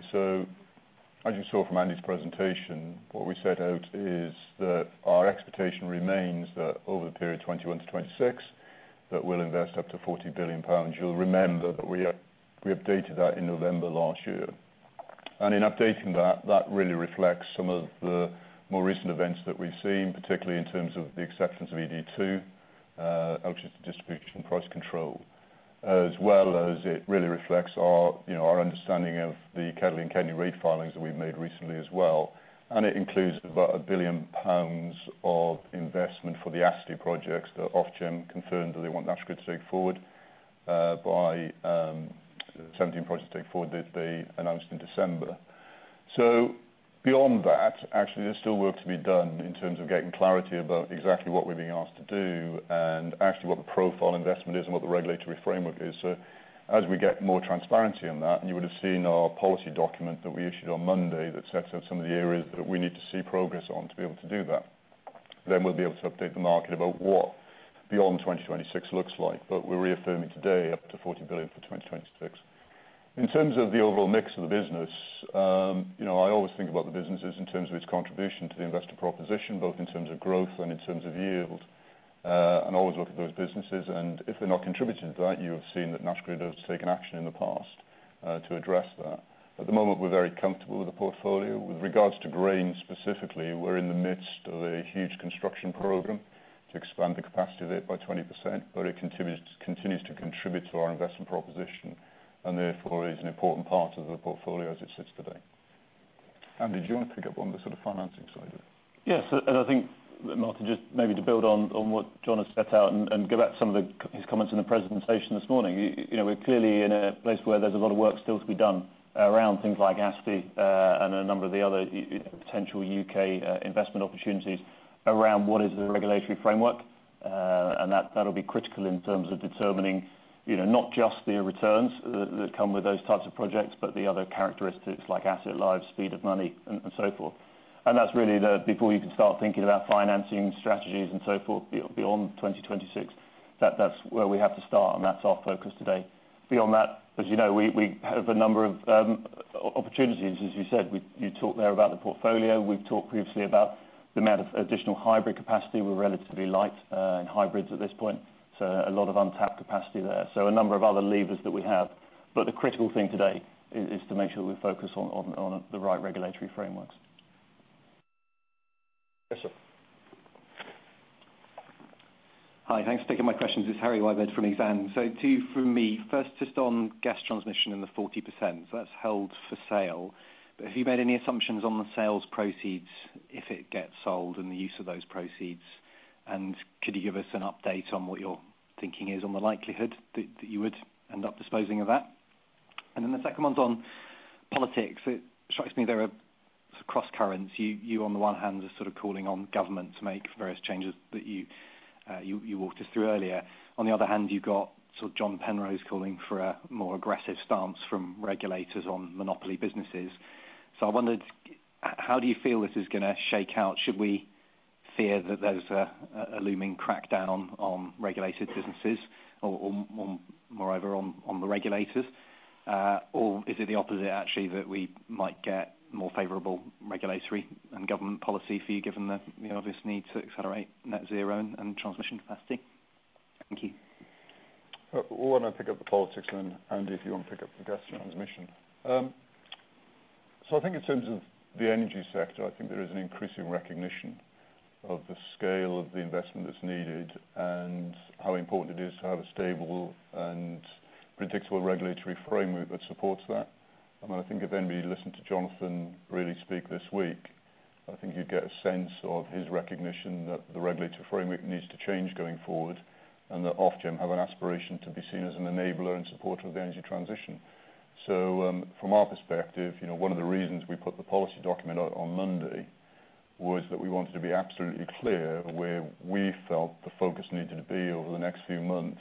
As you saw from Andy Agg's presentation, what we set out is that our expectation remains that over the period 2021-2026, that we'll invest up to 40 billion pounds. You'll remember that we updated that in November last year. In updating that really reflects some of the more recent events that we've seen, particularly in terms of the exceptions of ED2 electricity distribution price control. As well as it really reflects our, you know, our understanding of the KEDLI and KEDNY Rate filings that we've made recently as well. It includes about 1 billion pounds of investment for the ASTI projects that Ofgem confirmed that they want National Grid to take forward, by 17 projects take forward that they announced in December. Beyond that, actually, there's still work to be done in terms of getting clarity about exactly what we're being asked to do and actually what the profile investment is and what the regulatory framework is. As we get more transparency on that, and you would've seen our policy document that we issued on Monday that sets out some of the areas that we need to see progress on to be able to do that. We'll be able to update the market about what beyond 2026 looks like. We're reaffirming today up to 40 billion for 2026. In terms of the overall mix of the business, you know, I always think about the businesses in terms of its contribution to the investor proposition, both in terms of growth and in terms of yield, always look at those businesses. If they're not contributing to that, you have seen that National Grid has taken action in the past to address that. At the moment, we're very comfortable with the portfolio. With regards to grain specifically, we're in the midst of a huge construction program to expand the capacity of it by 20%, but it continues to contribute to our investment proposition, and therefore is an important part of the portfolio as it sits today. Andy, do you wanna pick up on the sort of financing side of it? Yes. I think, Martin, just maybe to build on what John has set out and go back to his comments in the presentation this morning. You know, we're clearly in a place where there's a lot of work still to be done around things like ASTI, and a number of the other potential U.K. investment opportunities around what is the regulatory framework. That'll be critical in terms of determining, you know, not just the returns that come with those types of projects, but the other characteristics like asset lives, speed of money and so forth. That's really before you can start thinking about financing strategies and so forth beyond 2026, that's where we have to start, and that's our focus today. Beyond that, as you know, we have a number of opportunities, as you said. You talked there about the portfolio. We've talked previously about the amount of additional hybrid capacity. We're relatively light in hybrids at this point, so a lot of untapped capacity there. A number of other levers that we have. The critical thing today is to make sure we focus on the right regulatory frameworks. Yes, sir. Hi. Thanks for taking my questions. It's Harry Wyburd from Exane. Two from me. First, just on gas transmission and the 40% that's held for sale. Have you made any assumptions on the sales proceeds if it gets sold and the use of those proceeds? Could you give us an update on what your thinking is on the likelihood that you would end up disposing of that? The second one's on politics. It strikes me there are sort of crosscurrents. You on the one hand are sort of calling on government to make various changes that you walked us through earlier. On the other hand, you've got sort of John Penrose calling for a more aggressive stance from regulators on monopoly businesses. I wondered, how do you feel this is gonna shake out? Should we fear that there's a looming crackdown on regulated businesses or moreover on the regulators? Is it the opposite actually, that we might get more favorable regulatory and government policy for you, given the obvious need to accelerate net zero and transmission capacity? Thank you. Why don't I pick up the politics and then Andy, if you want to pick up the gas transmission. I think in terms of the energy sector, I think there is an increasing recognition of the scale of the investment that's needed and how important it is to have a stable and predictable regulatory framework that supports that. I mean, I think if anybody listened to Jonathan really speak this week, I think you'd get a sense of his recognition that the regulatory framework needs to change going forward and that Ofgem have an aspiration to be seen as an enabler and supporter of the energy transition. From our perspective, you know, one of the reasons we put the policy document out on Monday was that we wanted to be absolutely clear where we felt the focus needed to be over the next few months,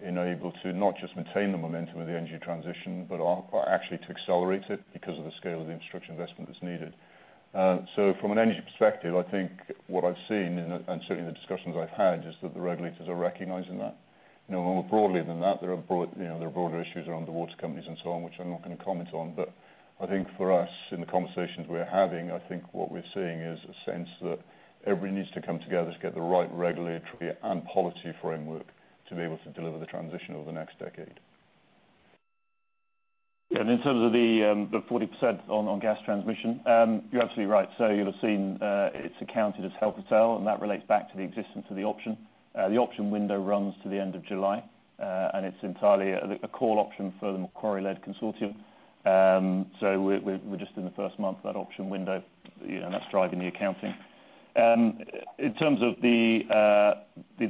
enable to not just maintain the momentum of the energy transition, but also actually to accelerate it because of the scale of the infrastructure investment that's needed. From an energy perspective, I think what I've seen and certainly the discussions I've had is that the regulators are recognizing that. More broadly than that, there are broader issues around the water companies and so on, which I'm not gonna comment on. I think for us in the conversations we're having, I think what we're seeing is a sense that everybody needs to come together to get the right regulatory and policy framework to be able to deliver the transition over the next decade. In terms of the 40% on gas transmission, you're absolutely right. You'll have seen it's accounted as help to sell, and that relates back to the existence of the option. The option window runs to the end of July, and it's entirely a call option for the Macquarie-led Consortium. We're just in the first month of that option window. You know, that's driving the accounting. In terms of the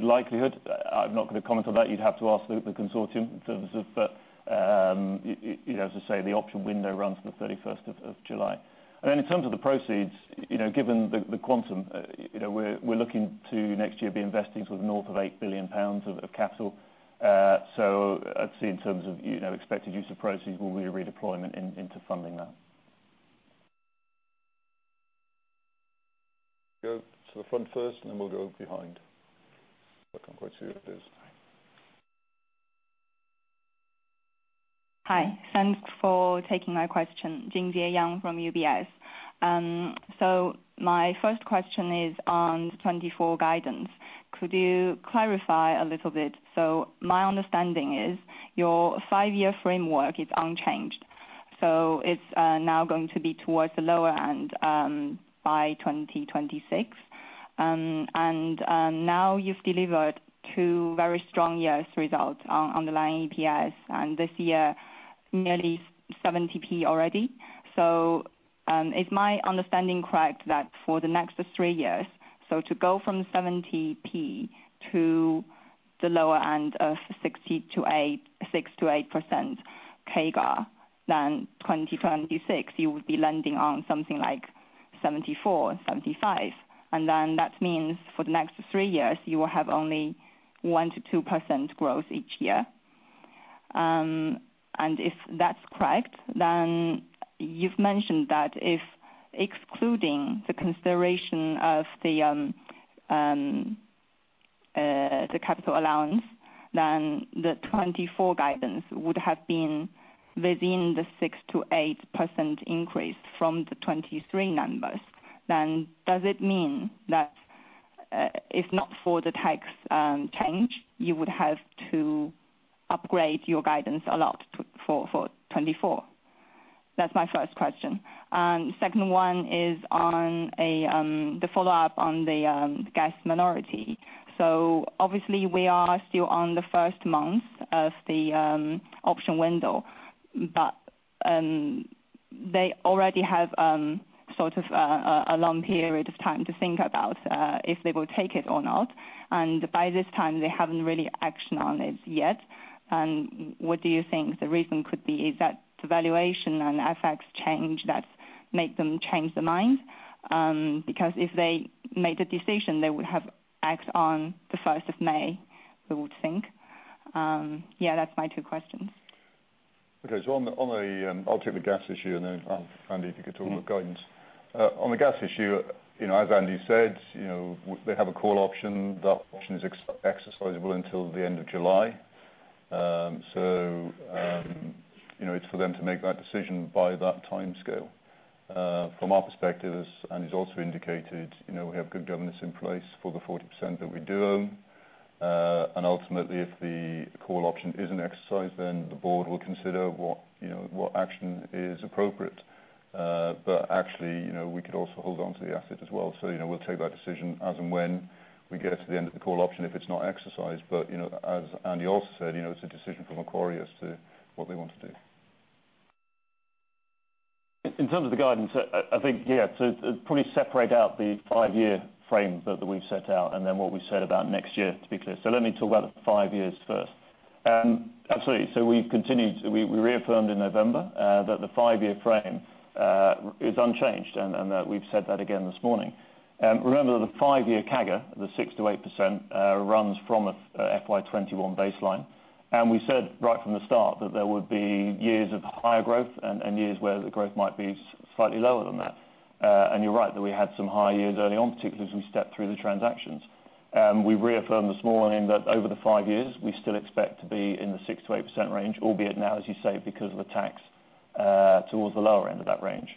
likelihood, I'm not gonna comment on that. You'd have to ask the consortium in terms of, you know, as I say, the option window runs to the 31st of July. In terms of the proceeds, you know, given the quantum, you know, we're looking to next year be investing sort of north of 8 billion pounds of capital. I'd say in terms of, you know, expected use of proceeds will be a redeployment into funding that. Go to the front first, and then we'll go behind. I can't quite see who it is. Hi. Thanks for taking my question. Jingjie Yang from UBS. My first question is on 2024 guidance. Could you clarify a little bit? My understanding is your five-year framework is unchanged. It's now going to be towards the lower end by 2026. Now you've delivered two very strong years' results on underlying EPS, and this year, nearly 70p already. Is my understanding correct that for the next three years, to go from 70p to the lower end of 6%-8% CAGR, then 2026 you would be landing on something like 74p-75p? That means for the next three years you will have only 1%-2% growth each year? If that's correct, you've mentioned that if excluding the consideration of the capital allowance, the 2024 guidance would have been within the 6%-8% increase from the 2023 numbers. Does it mean that, if not for the tax change, you would have to upgrade your guidance a lot for 2024? That's my first question. Second one is on a follow-up on the gas minority. Obviously we are still on the first month of the option window, but they already have sort of, a long period of time to think about if they will take it or not. By this time, they haven't really action on it yet. What do you think the reason could be? Is that the valuation and effects change that make them change their mind? If they made the decision, they would have acted on the 1st of May, we would think. Yeah, that's my second questions. Okay. I'll take the gas issue and then, Andy, if you could talk about guidance. On the gas issue, you know, as Andy said, you know, they have a call option. That option is exercisable until the end of July. You know, it's for them to make that decision by that timescale. From our perspective, as Andy's also indicated, you know, we have good governance in place for the 40% that we do own. Ultimately, if the call option isn't exercised, then the board will consider what action is appropriate. Actually, you know, we could also hold on to the asset as well. You know, we'll take that decision as and when we get to the end of the call option if it's not exercised. You know, as Andy also said, you know, it's a decision for Macquarie as to what they want to do. In terms of the guidance, I think, to probably separate out the five-year frame that we've set out and then what we've said about next year, to be clear. Let me talk about the five years first. Absolutely. We've continued, we reaffirmed in November that the five-year frame is unchanged, and we've said that again this morning. Remember the five-year CAGR, the 6%-8%, runs from a FY 2021 baseline. We said right from the start that there would be years of higher growth and years where the growth might be slightly lower than that. And you're right that we had some higher years early on, particularly as we stepped through the transactions. We reaffirmed this morning that over the five years, we still expect to be in the 6%-8% range, albeit now, as you say, because of the tax, towards the lower end of that range.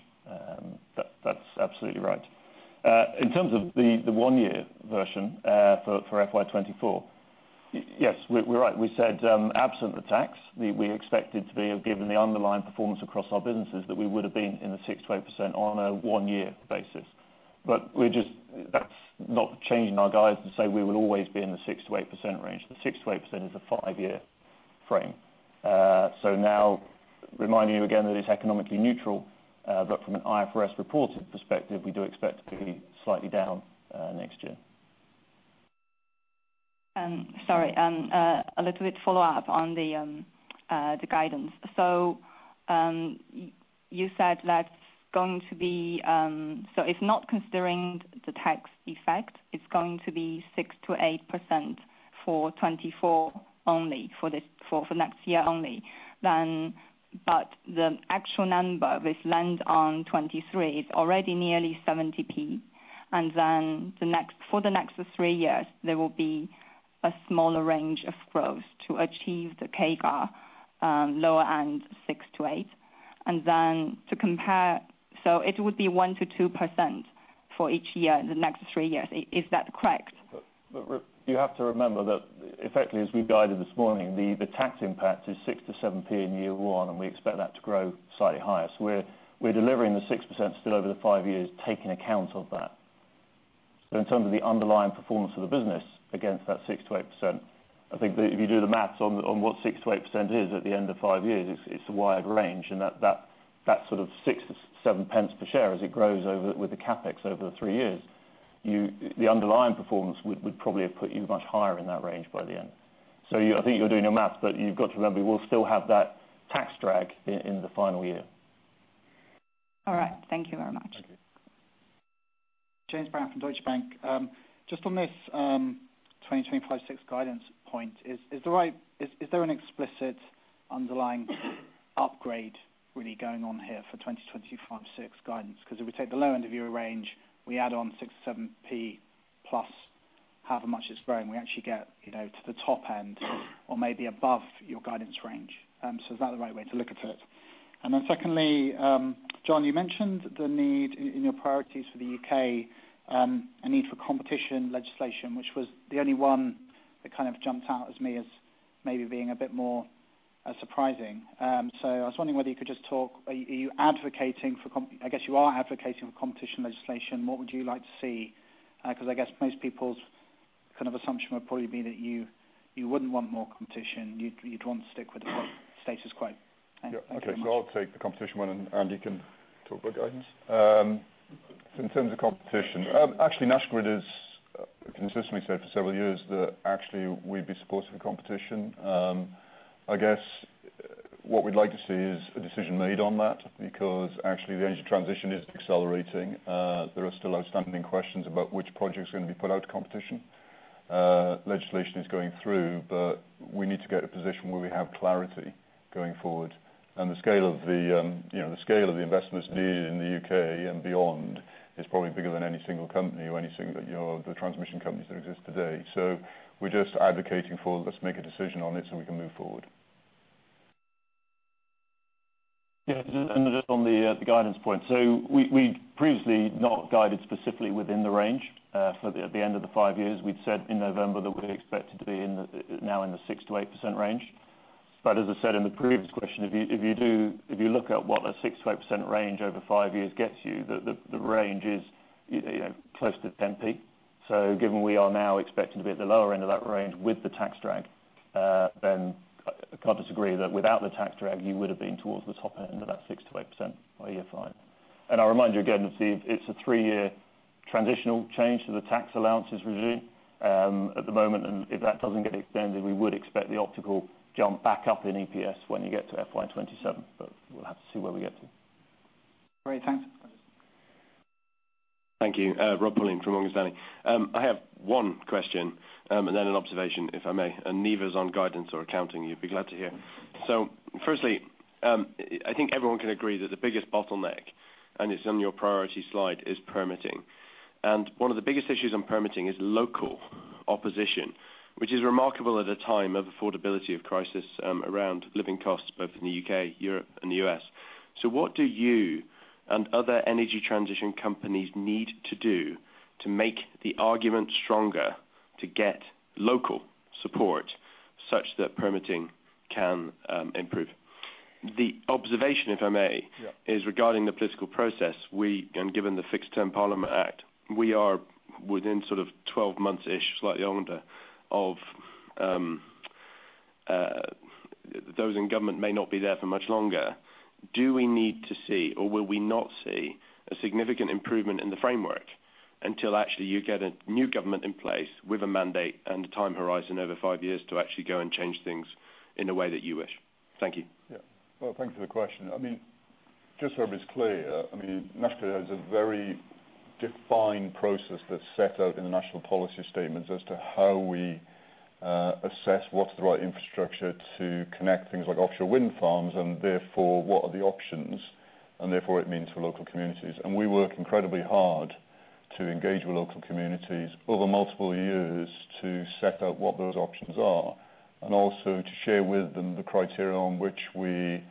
That's absolutely right. In terms of the one-year version, for FY 2024, we said, absent the tax, we expected to be, given the underlying performance across our businesses, that we would've been in the 6%-8% on a one-year basis. We're just not changing our guides to say we will always be in the 6%-8% range. The 6%-8% is a five-year frame. Now reminding you again that it's economically neutral, but from an IFRS reported perspective, we do expect to be slightly down next year. Sorry, a little bit follow-up on the guidance. You said that's going to be... If not considering the tax effect, it's going to be 6%-8% for 2024 only, for next year only. The actual number, this land on 2023, it's already nearly 0.70. For the next three years, there will be a smaller range of growth to achieve the CAGR, lower end 6%-8%. To compare, it would be 1%-2% for each year in the next three years. Is that correct? You have to remember that effectively, as we guided this morning, the tax impact is 6p-7p in year one, and we expect that to grow slightly higher. We're delivering the 6% still over the five years, taking account of that. In terms of the underlying performance of the business against that 6%-8%, I think that if you do the math on what 6%-8% is at the end of five years, it's a wide range. That sort of 6p-7p per share as it grows over with the CapEx over the three years, the underlying performance would probably have put you much higher in that range by the end. You, I think you're doing your math, but you've got to remember, we'll still have that tax drag in the final year. All right. Thank you very much. Thank you. James Brand from Deutsche Bank. Just on this 2025-2026 guidance point, is there an explicit underlying upgrade really going on here for 2025-2026 guidance? Because if we take the low end of your range, we add on 6p, 7p plus however much it's grown, we actually get, you know, to the top end or maybe above your guidance range. Is that the right way to look at it? Secondly, John, you mentioned the need in your priorities for the U.K., a need for competition legislation, which was the only one that kind of jumped out as me as maybe being a bit more surprising. I was wondering whether you could just talk. Are you advocating for competition legislation? What would you like to see? 'cause I guess most people's kind of assumption would probably be that you wouldn't want more competition. You'd want to stick with the status quo. Thanks very much. Okay. I'll take the competition one and Andy can talk about guidance. In terms of competition, actually, National Grid has consistently said for several years that actually we'd be supportive of competition. There are still outstanding questions about which project is gonna be put out to competition. Legislation is going through, but we need to get a position where we have clarity going forward. The scale of the, you know, the scale of the investments needed in the U.K. and beyond is probably bigger than any single company or any single, you know, the transmission companies that exist today. We're just advocating for, let's make a decision on it so we can move forward. Yeah. Just on the guidance point. We'd previously not guided specifically within the range for the, at the end of the five years. We'd said in November that we're expected to be in the, now in the 6%-8% range. As I said in the previous question, if you look at what a 6%-8% range over five years gets you, the range is, you know, close to 10p. Given we are now expecting to be at the lower end of that range with the tax drag, can't disagree that without the tax drag, you would have been towards the top end of that 6%-8% by year five. I'll remind you again that it's a three-year transitional change to the tax allowances regime at the moment. If that doesn't get extended, we would expect the optical jump back up in EPS when you get to FY 2027, we'll have to see where we get to. Great. Thanks. Thank you. Rob Pulleyn from Morgan Stanley. I have one question, and then an observation, if I may, and neither is on guidance or accounting, you'd be glad to hear. Firstly, I think everyone can agree that the biggest bottleneck, and it's on your priority slide, is permitting. One of the biggest issues on permitting is local opposition, which is remarkable at a time of affordability of crisis, around living costs, both in the U.K., Europe, and the U.S. What do you and other energy transition companies need to do to make the argument stronger to get local support such that permitting can improve? The observation, if I may- Yeah. is regarding the political process. Given the Fixed-term Parliaments Act, we are within sort of 12 months-ish, slightly under, of those in government may not be there for much longer. Do we need to see or will we not see a significant improvement in the framework until actually you get a new government in place with a mandate and a time horizon over five years to actually go and change things in a way that you wish? Thank you. Well, thank you for the question. I mean, just so everybody's clear, I mean, National Grid has a very defined process that's set out in the national policy statements as to how we assess what's the right infrastructure to connect things like offshore wind farms and therefore what are the options, and therefore it means for local communities. We work incredibly hard to engage with local communities over multiple years to set out what those options are and also to share with them the criteria on which we,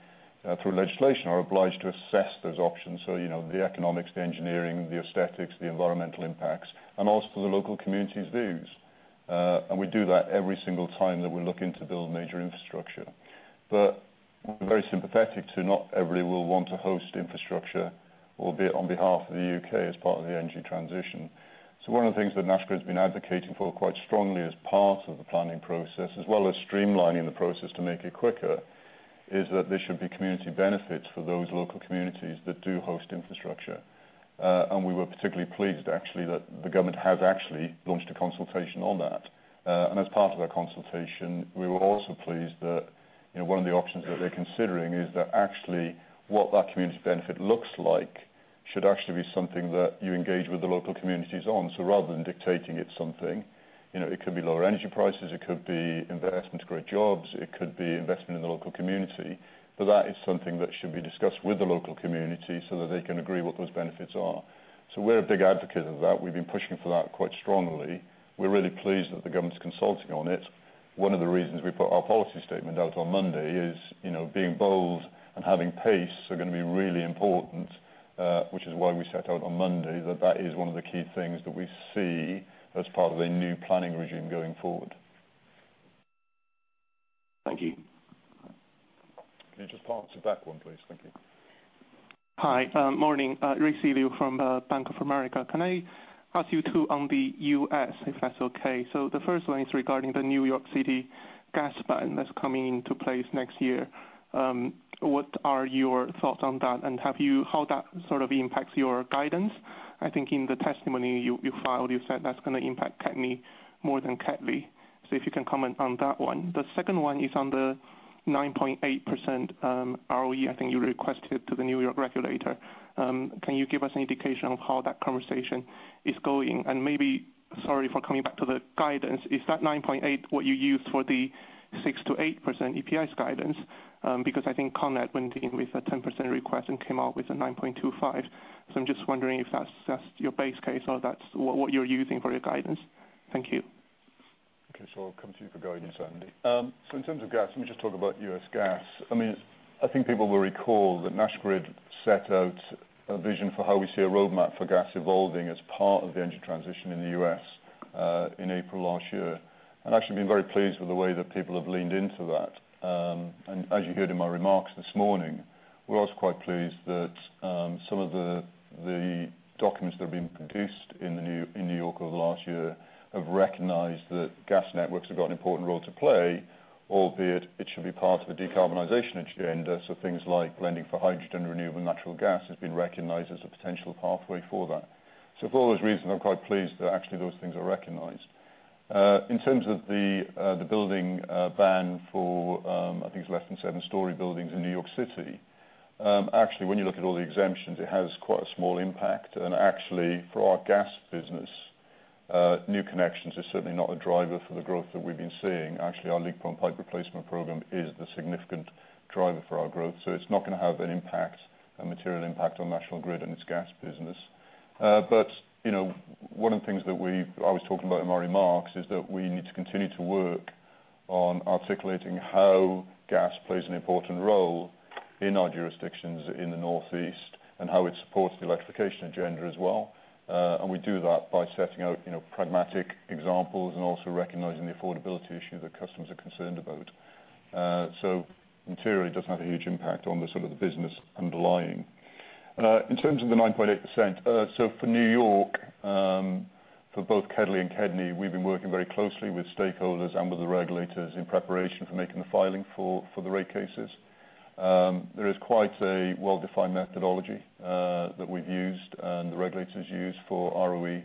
through legislation, are obliged to assess those options. You know, the economics, the engineering, the aesthetics, the environmental impacts, and also the local communities' views. We do that every single time that we look into build major infrastructure. We're very sympathetic to not everybody will want to host infrastructure, or be it on behalf of the U.K. as part of the energy transition. One of the things that National Grid's been advocating for quite strongly as part of the planning process, as well as streamlining the process to make it quicker, is that there should be community benefits for those local communities that do host infrastructure. We were particularly pleased actually that the government has actually launched a consultation on that. As part of that consultation, we were also pleased that, you know, one of the options that they're considering is that actually what that community benefit looks like should actually be something that you engage with the local communities on. Rather than dictating it something, you know, it could be lower energy prices, it could be investment-grade jobs, it could be investment in the local community. That is something that should be discussed with the local community so that they can agree what those benefits are. We're a big advocate of that. We've been pushing for that quite strongly. We're really pleased that the government's consulting on it. One of the reasons we put our policy statement out on Monday is, you know, being bold and having pace are gonna be really important, which is why we set out on Monday that that is one of the key things that we see as part of a new planning regime going forward. Thank you. Can you just pass to back one, please? Thank you. Hi. Morning. Marcin Wojtal from Bank of America. Can I ask you two on the U.S., if that's okay? The first one is regarding the New York City gas ban that's coming into place next year. What are your thoughts on that, and how that sort of impacts your guidance? I think in the testimony you filed, you said that's going to impact KEDNY more than KEDLI. If you can comment on that one. The second one is on the 9.8% ROE I think you requested to the New York regulator. Can you give us an indication of how that conversation is going? Maybe, sorry for coming back to the guidance, is that 9.8% what you used for the 6%-8% EPS guidance? Because I think Con Ed went in with a 10% request and came out with a 9.25%. I'm just wondering if that's your base case or that's what you're using for your guidance. Thank you. I'll come to you for guidance, Andy. In terms of gas, let me just talk about U.S. gas. I mean, I think people will recall that National Grid set out a vision for how we see a roadmap for gas evolving as part of the energy transition in the U.S., in April last year. I've actually been very pleased with the way that people have leaned into that. As you heard in my remarks this morning, we're also quite pleased that some of the documents that have been produced in New York over the last year have recognized that gas networks have got an important role to play, albeit it should be part of a decarbonization agenda. Things like lending for hydrogen and renewable natural gas has been recognized as a potential pathway for that. For all those reasons, I'm quite pleased that actually those things are recognized. In terms of the building ban for, I think it's less than seven-story buildings in New York City, actually, when you look at all the exemptions, it has quite a small impact. Actually for our gas business, new connections is certainly not a driver for the growth that we've been seeing. Actually, our leak-prone pipe replacement program is the significant driver for our growth, so it's not gonna have an impact, a material impact on National Grid and its gas business. You know, one of the things that I was talking about in my remarks, is that we need to continue to work on articulating how gas plays an important role in our jurisdictions in the Northeast and how it supports the electrification agenda as well. We do that by setting out, you know, pragmatic examples and also recognizing the affordability issue that customers are concerned about. Materially doesn't have a huge impact on the sort of the business underlying. In terms of the 9.8%, for New York, for both KEDLI and KEDNY, we've been working very closely with stakeholders and with the regulators in preparation for making the filing for the rate cases. There is quite a well-defined methodology that we've used and the regulators use for ROE,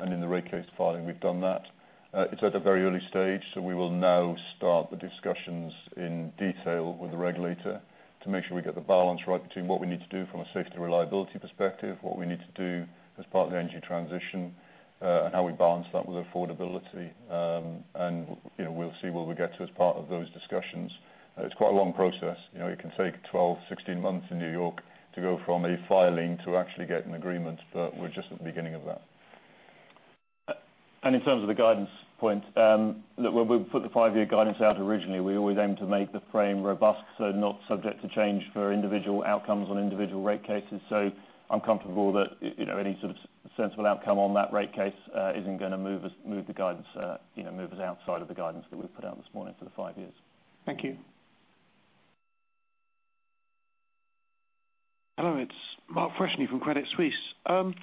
and in the rate case filing, we've done that. It's at the very early stage. We will now start the discussions in detail with the regulator to make sure we get the balance right between what we need to do from a safety reliability perspective, what we need to do as part of the energy transition, and how we balance that with affordability. You know, we'll see where we get to as part of those discussions. It's quite a long process. You know, it can take 12-16 months in New York to go from a filing to actually get an agreement, but we're just at the beginning of that. In terms of the guidance point. Look, when we put the five-year guidance out originally, we always aim to make the frame robust, not subject to change for individual outcomes on individual rate cases. I'm comfortable that, you know, any sort of sensible outcome on that rate case isn't gonna move us, move the guidance, you know, move us outside of the guidance that we've put out this morning for the five years. Thank you. Hello, it's Mark Freshney from Credit Suisse.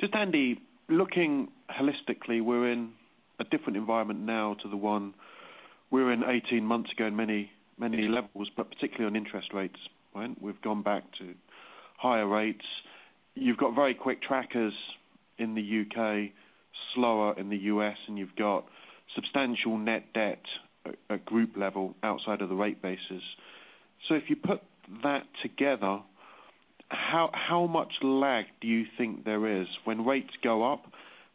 Just Andy, looking holistically, we're in a different environment now to the one we were in 18 months ago in many, many levels, but particularly on interest rates, right? We've gone back to higher rates. You've got very quick trackers in the U.K., slower in the U.S., and you've got substantial net debt at group level outside of the rate bases. If you put that together, how much lag do you think there is? When rates go up,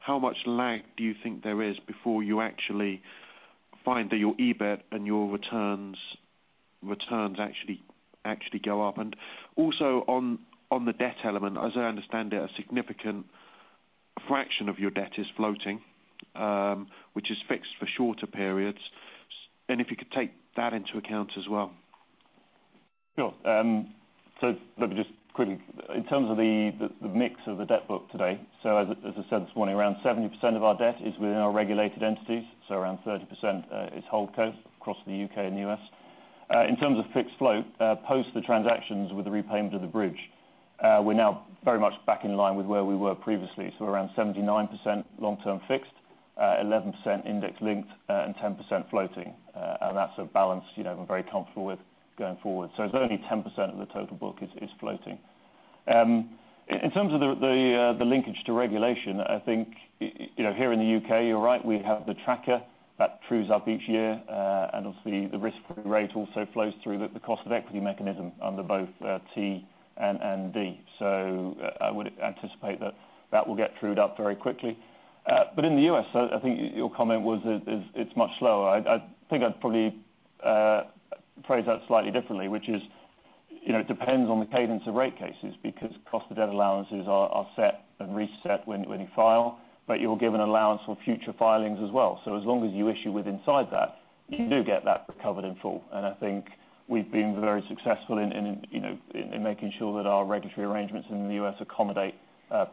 how much lag do you think there is before you actually find that your EBIT and your returns actually go up? Also on the debt element, as I understand it, a significant fraction of your debt is floating, which is fixed for shorter periods. If you could take that into account as well. Sure. Let me just quickly. In terms of the mix of the debt book today, as I said this morning, around 70% of our debt is within our regulated entities, around 30% is HoldCo across the U.K. and U.S. In terms of fixed float, post the transactions with the repayment of the bridge, we're now very much back in line with where we were previously. Around 79% long-term fixed, 11% index linked, and 10% floating. And that's a balance, you know, we're very comfortable with going forward. It's only 10% of the total book is floating. In terms of the linkage to regulation, I think, you know, here in the U.K., you're right, we have the tracker that trues up each year. Obviously, the risk-free rate also flows through the cost of equity mechanism under both T and D. I would anticipate that that will get trued up very quickly. In the U.S., I think your comment was it's much slower. I think I'd probably phrase that slightly differently, which is, you know, it depends on the cadence of rate cases because cost of debt allowances are set and reset when you file, but you're given allowance for future filings as well. As long as you issue with inside that, you do get that recovered in full. I think we've been very successful in, you know, in making sure that our regulatory arrangements in the U.S. accommodate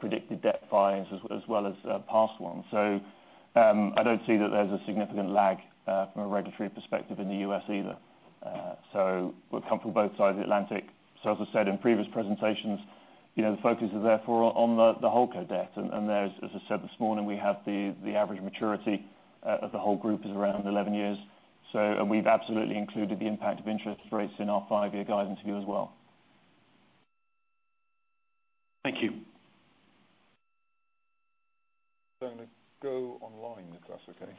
predicted debt filings as well as past ones. I don't see that there's a significant lag from a regulatory perspective in the U.S. either. We've come from both sides of the Atlantic. As I said in previous presentations, you know, the focus is therefore on the HoldCo debt. There's, as I said this morning, we have the average maturity of the whole group is around 11 years. We've absolutely included the impact of interest rates in our five-year guidance to you as well. Thank you. Going to go online if that's okay.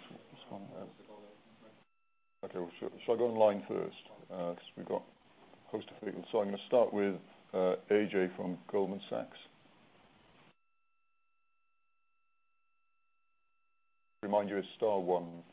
Okay. Shall I go online first? 'cause we've got host of people. I'm gonna start with Ajay from Goldman Sachs. Remind you it's star one. Okay.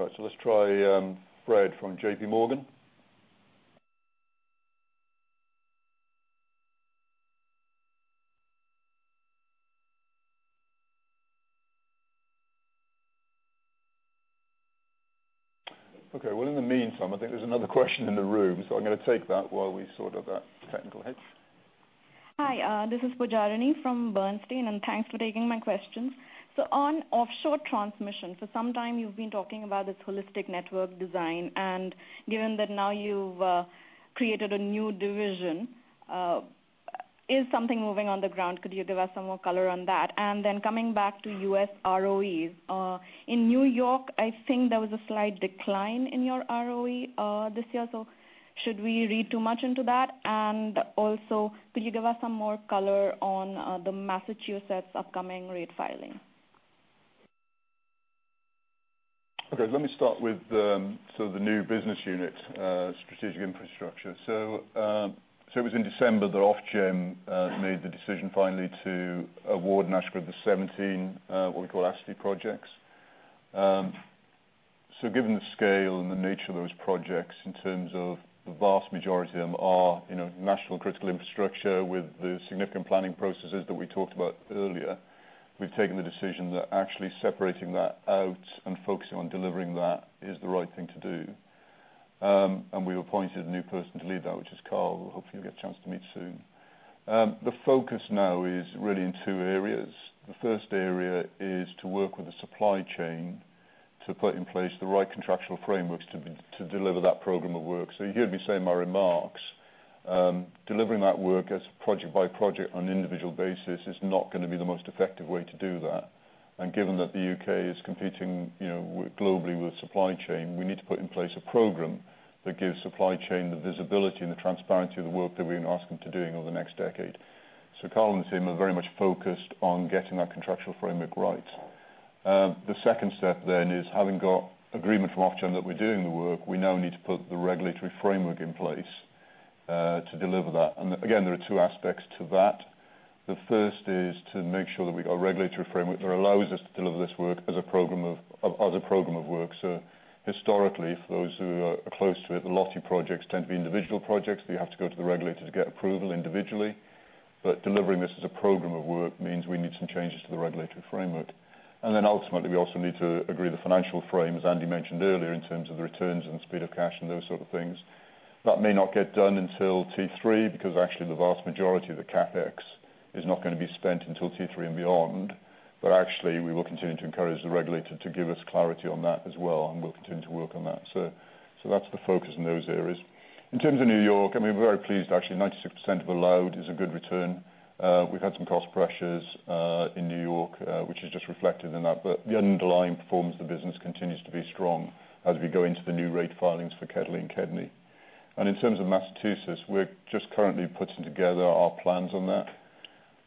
All right, let's try Brad from JP Morgan. Okay. In the meantime, I think there's another question in the room, I'm gonna take that while we sort out that technical hitch. Hi, this is Pujarini from Bernstein, and thanks for taking my questions. On offshore transmission, for some time you've been talking about this holistic network design, and given that now you've created a new division, is something moving on the ground? Could you give us some more color on that? Coming back to U.S. ROEs. In New York, I think there was a slight decline in your ROE this year, so should we read too much into that? Also, could you give us some more color on the Massachusetts upcoming rate filing? Okay. Let me start with the new business unit, Strategic Infrastructure. It was in December that Ofgem made the decision finally to award National Grid the 17, what we call asset projects. Given the scale and the nature of those projects in terms of the vast majority of them are, you know, national critical infrastructure with the significant planning processes that we talked about earlier, we've taken the decision that actually separating that out and focusing on delivering that is the right thing to do. And we appointed a new person to lead that, which is Carl, who hopefully you'll get a chance to meet soon. The focus now is really in two areas. The first area is to work with the supply chain to put in place the right contractual frameworks to deliver that program of work. You heard me say in my remarks, delivering that work as project by project on an individual basis is not gonna be the most effective way to do that. Given that the U.K. is competing, you know, globally with supply chain, we need to put in place a program that gives supply chain the visibility and the transparency of the work that we're gonna ask them to do over the next decade. Carl and the team are very much focused on getting that contractual framework right. The second step then is having got agreement from Ofgem that we're doing the work, we now need to put the regulatory framework in place to deliver that. Again, there are two aspects to that. The first is to make sure that we've got a regulatory framework that allows us to deliver this work as a program of work. Historically, for those who are close to it, the LOTI projects tend to be individual projects, so you have to go to the regulator to get approval individually. Delivering this as a program of work means we need some changes to the regulatory framework. Ultimately, we also need to agree the financial frame, as Andy mentioned earlier, in terms of the returns and speed of cash and those sort of things. That may not get done until T3, because actually the vast majority of the CapEx is not gonna be spent until T3 and beyond. Actually, we will continue to encourage the regulator to give us clarity on that as well, and we'll continue to work on that. That's the focus in those areas. In terms of New York, I mean, we're very pleased. Actually, 96% of allowed is a good return. We've had some cost pressures in New York, which is just reflected in that. The underlying performance of the business continues to be strong as we go into the new rate filings for KEDLI and KEDNY. In terms of Massachusetts, we're just currently putting together our plans on that.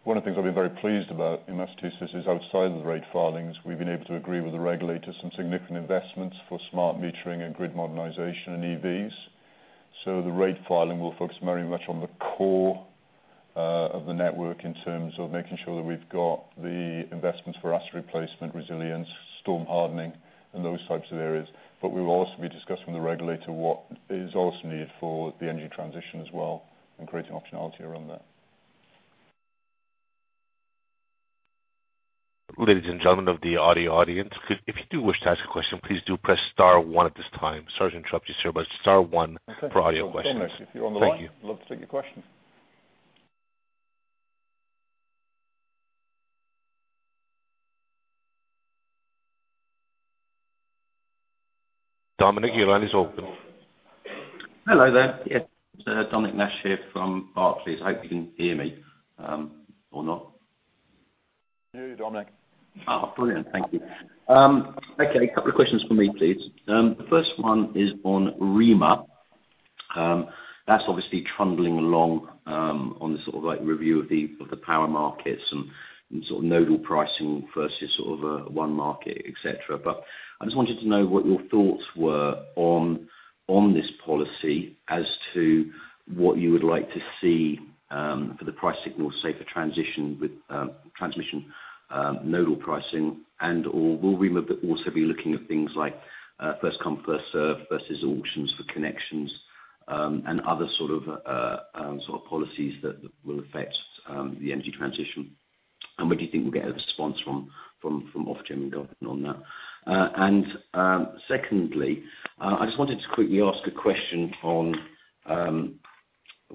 One of the things I'll be very pleased about in Massachusetts is outside of the rate filings, we've been able to agree with the regulators some significant investments for smart metering and grid modernization and EVs. The rate filing will focus very much on the core of the network in terms of making sure that we've got the investments for asset replacement, resilience, storm hardening, and those types of areas. We will also be discussing with the regulator what is also needed for the energy transition as well, and creating optionality around that. Ladies and gentlemen of the audio audience, if you do wish to ask a question, please do press star one at this time. Sorry to interrupt you, sir, but star one for audio questions. Thank you. Dominic, if you're on the line, love to take your question. Dominic, your line is open. Hello there. Yes. Dominic Nash here from Barclays. Hope you can hear me, or not. Can hear you, Dominic. Brilliant. Thank you. Okay, a couple of questions from me, please. The first one is on REMA. That's obviously trundling along on the sort of like review of the power markets and sort of nodal pricing versus sort of one market, et cetera. But I just wanted to know what your thoughts were on this policy as to what you would like to see for the price signal, say for transition with transmission, nodal pricing and/or will REMA also be looking at things like first come, first served versus auctions for connections and other sort of policies that will affect the energy transition? And where do you think we'll get a response from Ofgem going on that? Secondly, I just wanted to quickly ask a question on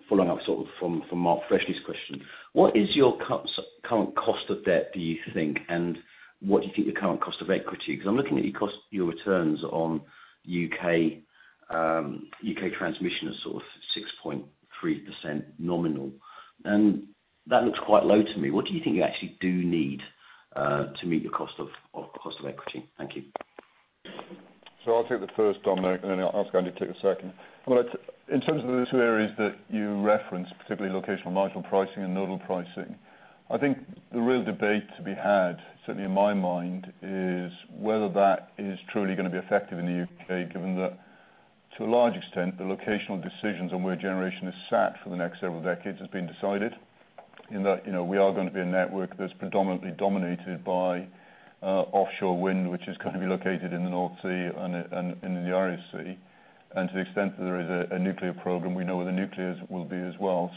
following up from Mark Freshney's question. What is your current cost of debt, do you think? What do you think the current cost of equity? 'Cause I'm looking at your cost, your returns on U.K. transmission of 6.3% nominal. That looks quite low to me. What do you think you actually do need to meet your cost of cost of equity? Thank you. I'll take the first, Dominic, and then I'll ask Andy to take the second. In terms of the two areas that you referenced, particularly locational marginal pricing and nodal pricing, I think the real debate to be had, certainly in my mind, is whether that is truly gonna be effective in the U.K., given that to a large extent, the locational decisions on where generation is sat for the next several decades has been decided. In that, you know, we are gonna be a network that's predominantly dominated by offshore wind, which is gonna be located in the North Sea and in the Irish Sea. And to the extent that there is a nuclear program, we know where the nuclears will be as well.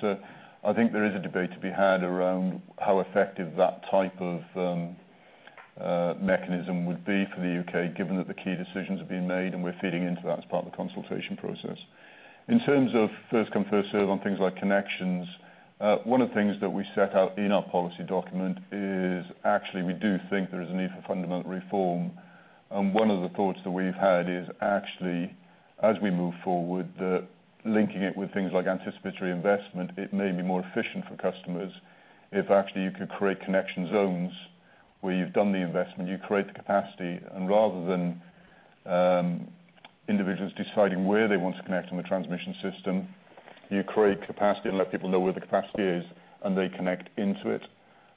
I think there is a debate to be had around how effective that type of mechanism would be for the U.K., given that the key decisions have been made and we're feeding into that as part of the consultation process. In terms of first come, first serve on things like connections, one of the things that we set out in our policy document is actually we do think there is a need for fundamental reform. One of the thoughts that we've had is actually, as we move forward, that linking it with things like anticipatory investment, it may be more efficient for customers if actually you could create connection zones where you've done the investment, you create the capacity, and rather than individuals deciding where they want to connect on the transmission system, you create capacity and let people know where the capacity is and they connect into it.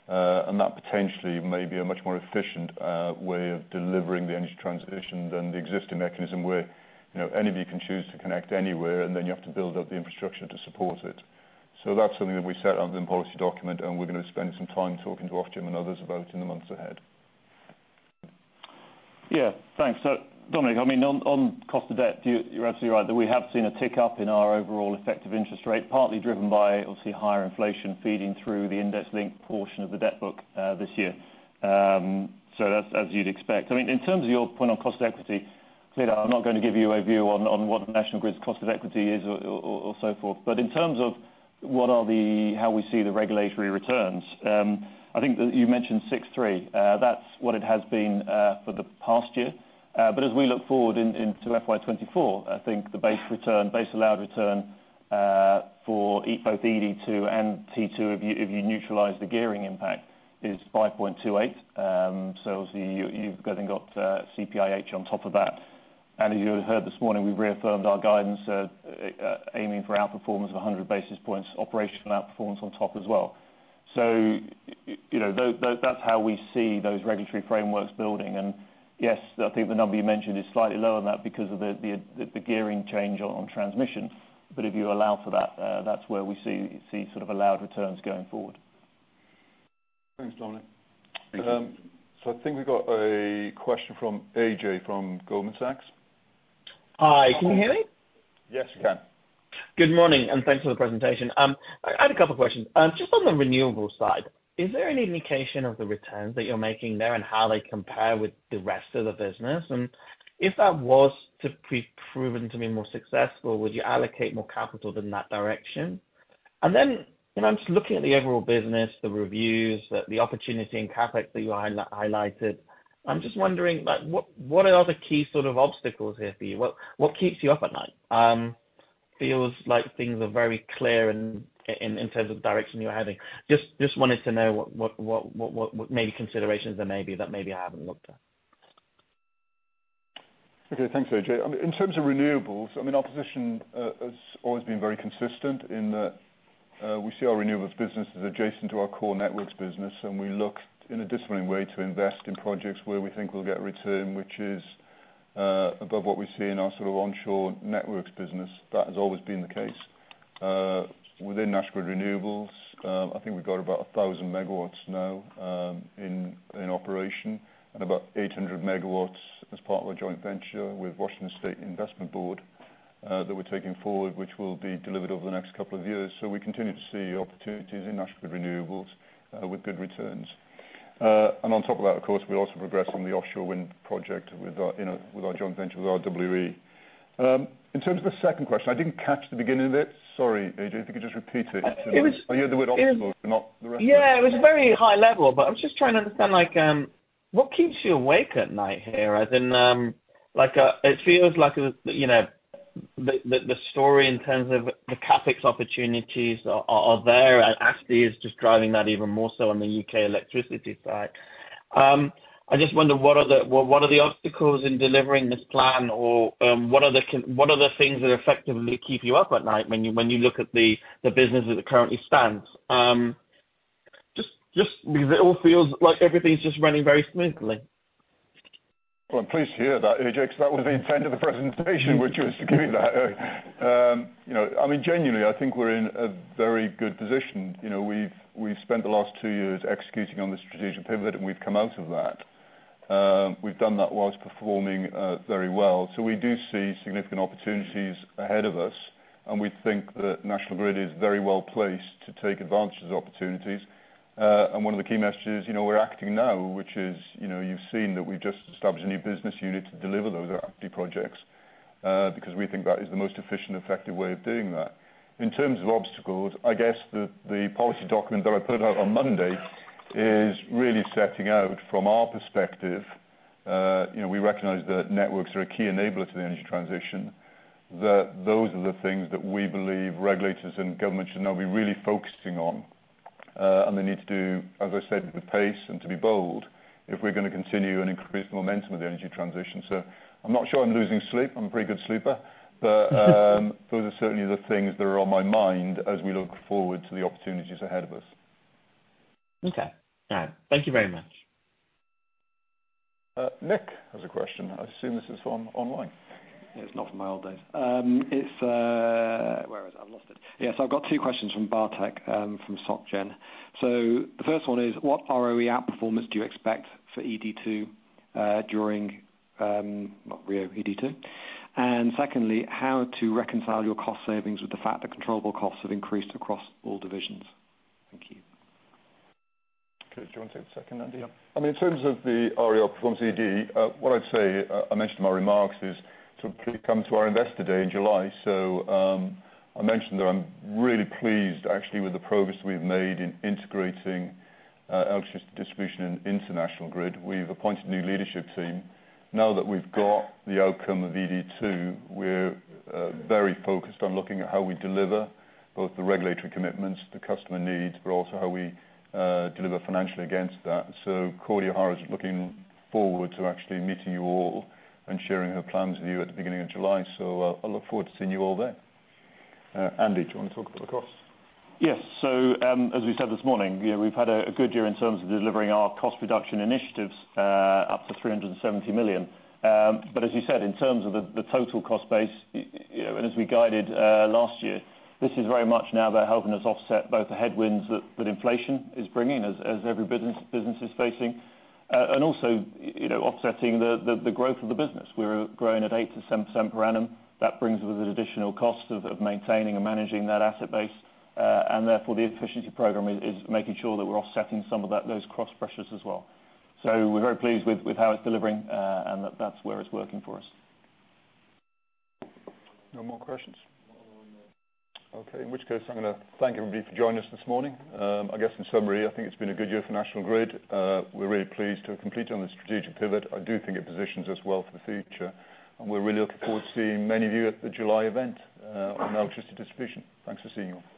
That potentially may be a much more efficient way of delivering the energy transition than the existing mechanism where, you know, anybody can choose to connect anywhere, and then you have to build up the infrastructure to support it. That's something that we set out in policy document, and we're gonna spend some time talking to Ofgem and others about in the months ahead. Yeah, thanks. Dominic, I mean, on cost of debt, you're absolutely right that we have seen a tick up in our overall effective interest rate, partly driven by obviously higher inflation feeding through the index link portion of the debt book this year. That's as you'd expect. I mean, in terms of your point on cost of equity, clearly I'm not gonna give you a view on what National Grid's cost of equity is or so forth. But in terms of how we see the regulatory returns, I think that you mentioned 6.3%. That's what it has been for the past year. As we look forward into FY 2024, I think the base return, base allowed return, for both ED2 and T2 if you neutralize the gearing impact is 5.28. Obviously you've then got CPIH on top of that. As you heard this morning, we've reaffirmed our guidance, aiming for outperformance of 100 basis points, operational outperformance on top as well. You know, that's how we see those regulatory frameworks building. Yes, I think the number you mentioned is slightly lower than that because of the gearing change on transmission. If you allow for that's where we see sort of allowed returns going forward. Thanks, Dominic. I think we got a question from Ajay from Goldman Sachs. Hi, can you hear me? Yes, we can. Good morning. Thanks for the presentation. I had a couple questions. Just on the renewables side, is there any indication of the returns that you're making there and how they compare with the rest of the business? If that was to be proven to be more successful, would you allocate more capital in that direction? You know, I'm just looking at the overall business, the reviews, the opportunity in CapEx that you highlighted. I'm just wondering, like, what are the key sort of obstacles here for you? What keeps you up at night? Feels like things are very clear in terms of direction you're heading. Just wanted to know what maybe considerations there may be that maybe I haven't looked at. Okay. Thanks, Ajay. I mean, our position has always been very consistent in that we see our renewables business as adjacent to our core networks business, and we look in a disciplined way to invest in projects where we think we'll get return, which is above what we see in our sort of onshore networks business, that has always been the case. Within National Renewables, I think we've got about 1,000 MW now in operation and about 800 MW as part of a joint venture with Washington State Investment Board, that we're taking forward, which will be delivered over the next couple of years. We continue to see opportunities in National Renewables with good returns. On top of that, of course, we also progress on the offshore wind project with our, you know, with our joint venture with RWE. In terms of the second question, I didn't catch the beginning of it. Sorry, Ajay, if you could just repeat it? It was- I heard the word obstacle, but not the rest of it. Yeah. It was very high level, but I'm just trying to understand, like, what keeps you awake at night here? As in, like, it feels like, you know, the story in terms of the CapEx opportunities are there and actually is just driving that even more so on the U.K. electricity side. I just wonder what are the obstacles in delivering this plan? What are the things that effectively keep you up at night when you look at the business as it currently stands? Just because it all feels like everything's just running very smoothly. Well, I'm pleased to hear that, Ajay, because that was the intent of the presentation, which was to give you that. You know, I mean, genuinely, I think we're in a very good position. You know, we've spent the last two years executing on the strategic pivot, and we've come out of that. We've done that whilst performing very well. We do see significant opportunities ahead of us, and we think that National Grid is very well placed to take advantage of the opportunities. One of the key messages, you know, we're acting now, which is, you know, you've seen that we've just established a new business unit to deliver those active projects, because we think that is the most efficient and effective way of doing that. In terms of obstacles, I guess the policy document that I put out on Monday is really setting out from our perspective, you know, we recognize that networks are a key enabler to the energy transition, that those are the things that we believe regulators and government should now be really focusing on. And they need to do, as I said, with pace and to be bold, if we're gonna continue and increase the momentum of the energy transition. I'm not sure I'm losing sleep. I'm a pretty good sleeper. Those are certainly the things that are on my mind as we look forward to the opportunities ahead of us. Okay. Yeah. Thank you very much. Nick has a question. I assume this is from online. It's not from my old days. Where is it? I've lost it. Yes, I've got two questions from Bartek from SocGen. The first one is, what ROE outperformance do you expect for ED2 during RIIO-ED2? Secondly, how to reconcile your cost savings with the fact that controllable costs have increased across all divisions. Thank you. Do you wanna take the second, Andy? Yeah. I mean, in terms of the REO performance ED, what I mentioned in my remarks, is to please come to our investor day in July. I mentioned that I'm really pleased actually with the progress we've made in integrating electricity distribution into National Grid. We've appointed a new leadership team. Now that we've got the outcome of ED2, we're very focused on looking at how we deliver both the regulatory commitments, the customer needs, but also how we deliver financially against that. Cordi O'Hara is looking forward to actually meeting you all and sharing her plans with you at the beginning of July. I look forward to seeing you all there. Andy, do you wanna talk about the costs? Yes. As we said this morning, we've had a good year in terms of delivering our cost reduction initiatives, up to 370 million. As you said, in terms of the total cost base, you know, and as we guided last year, this is very much now about helping us offset both the headwinds that inflation is bringing as every business is facing, and also, you know, offsetting the growth of the business. We're growing at 8%-7% per annum. That brings with it additional costs of maintaining and managing that asset base. Therefore the efficiency program is making sure that we're offsetting some of those cross pressures as well. We're very pleased with how it's delivering, and that's where it's working for us. No more questions? Okay. In which case, I'm gonna thank everybody for joining us this morning. I guess in summary, I think it's been a good year for National Grid. We're really pleased to have completed on the strategic pivot. I do think it positions us well for the future. We're really looking forward to seeing many of you at the July event, on our electricity distribution. Thanks for seeing you all.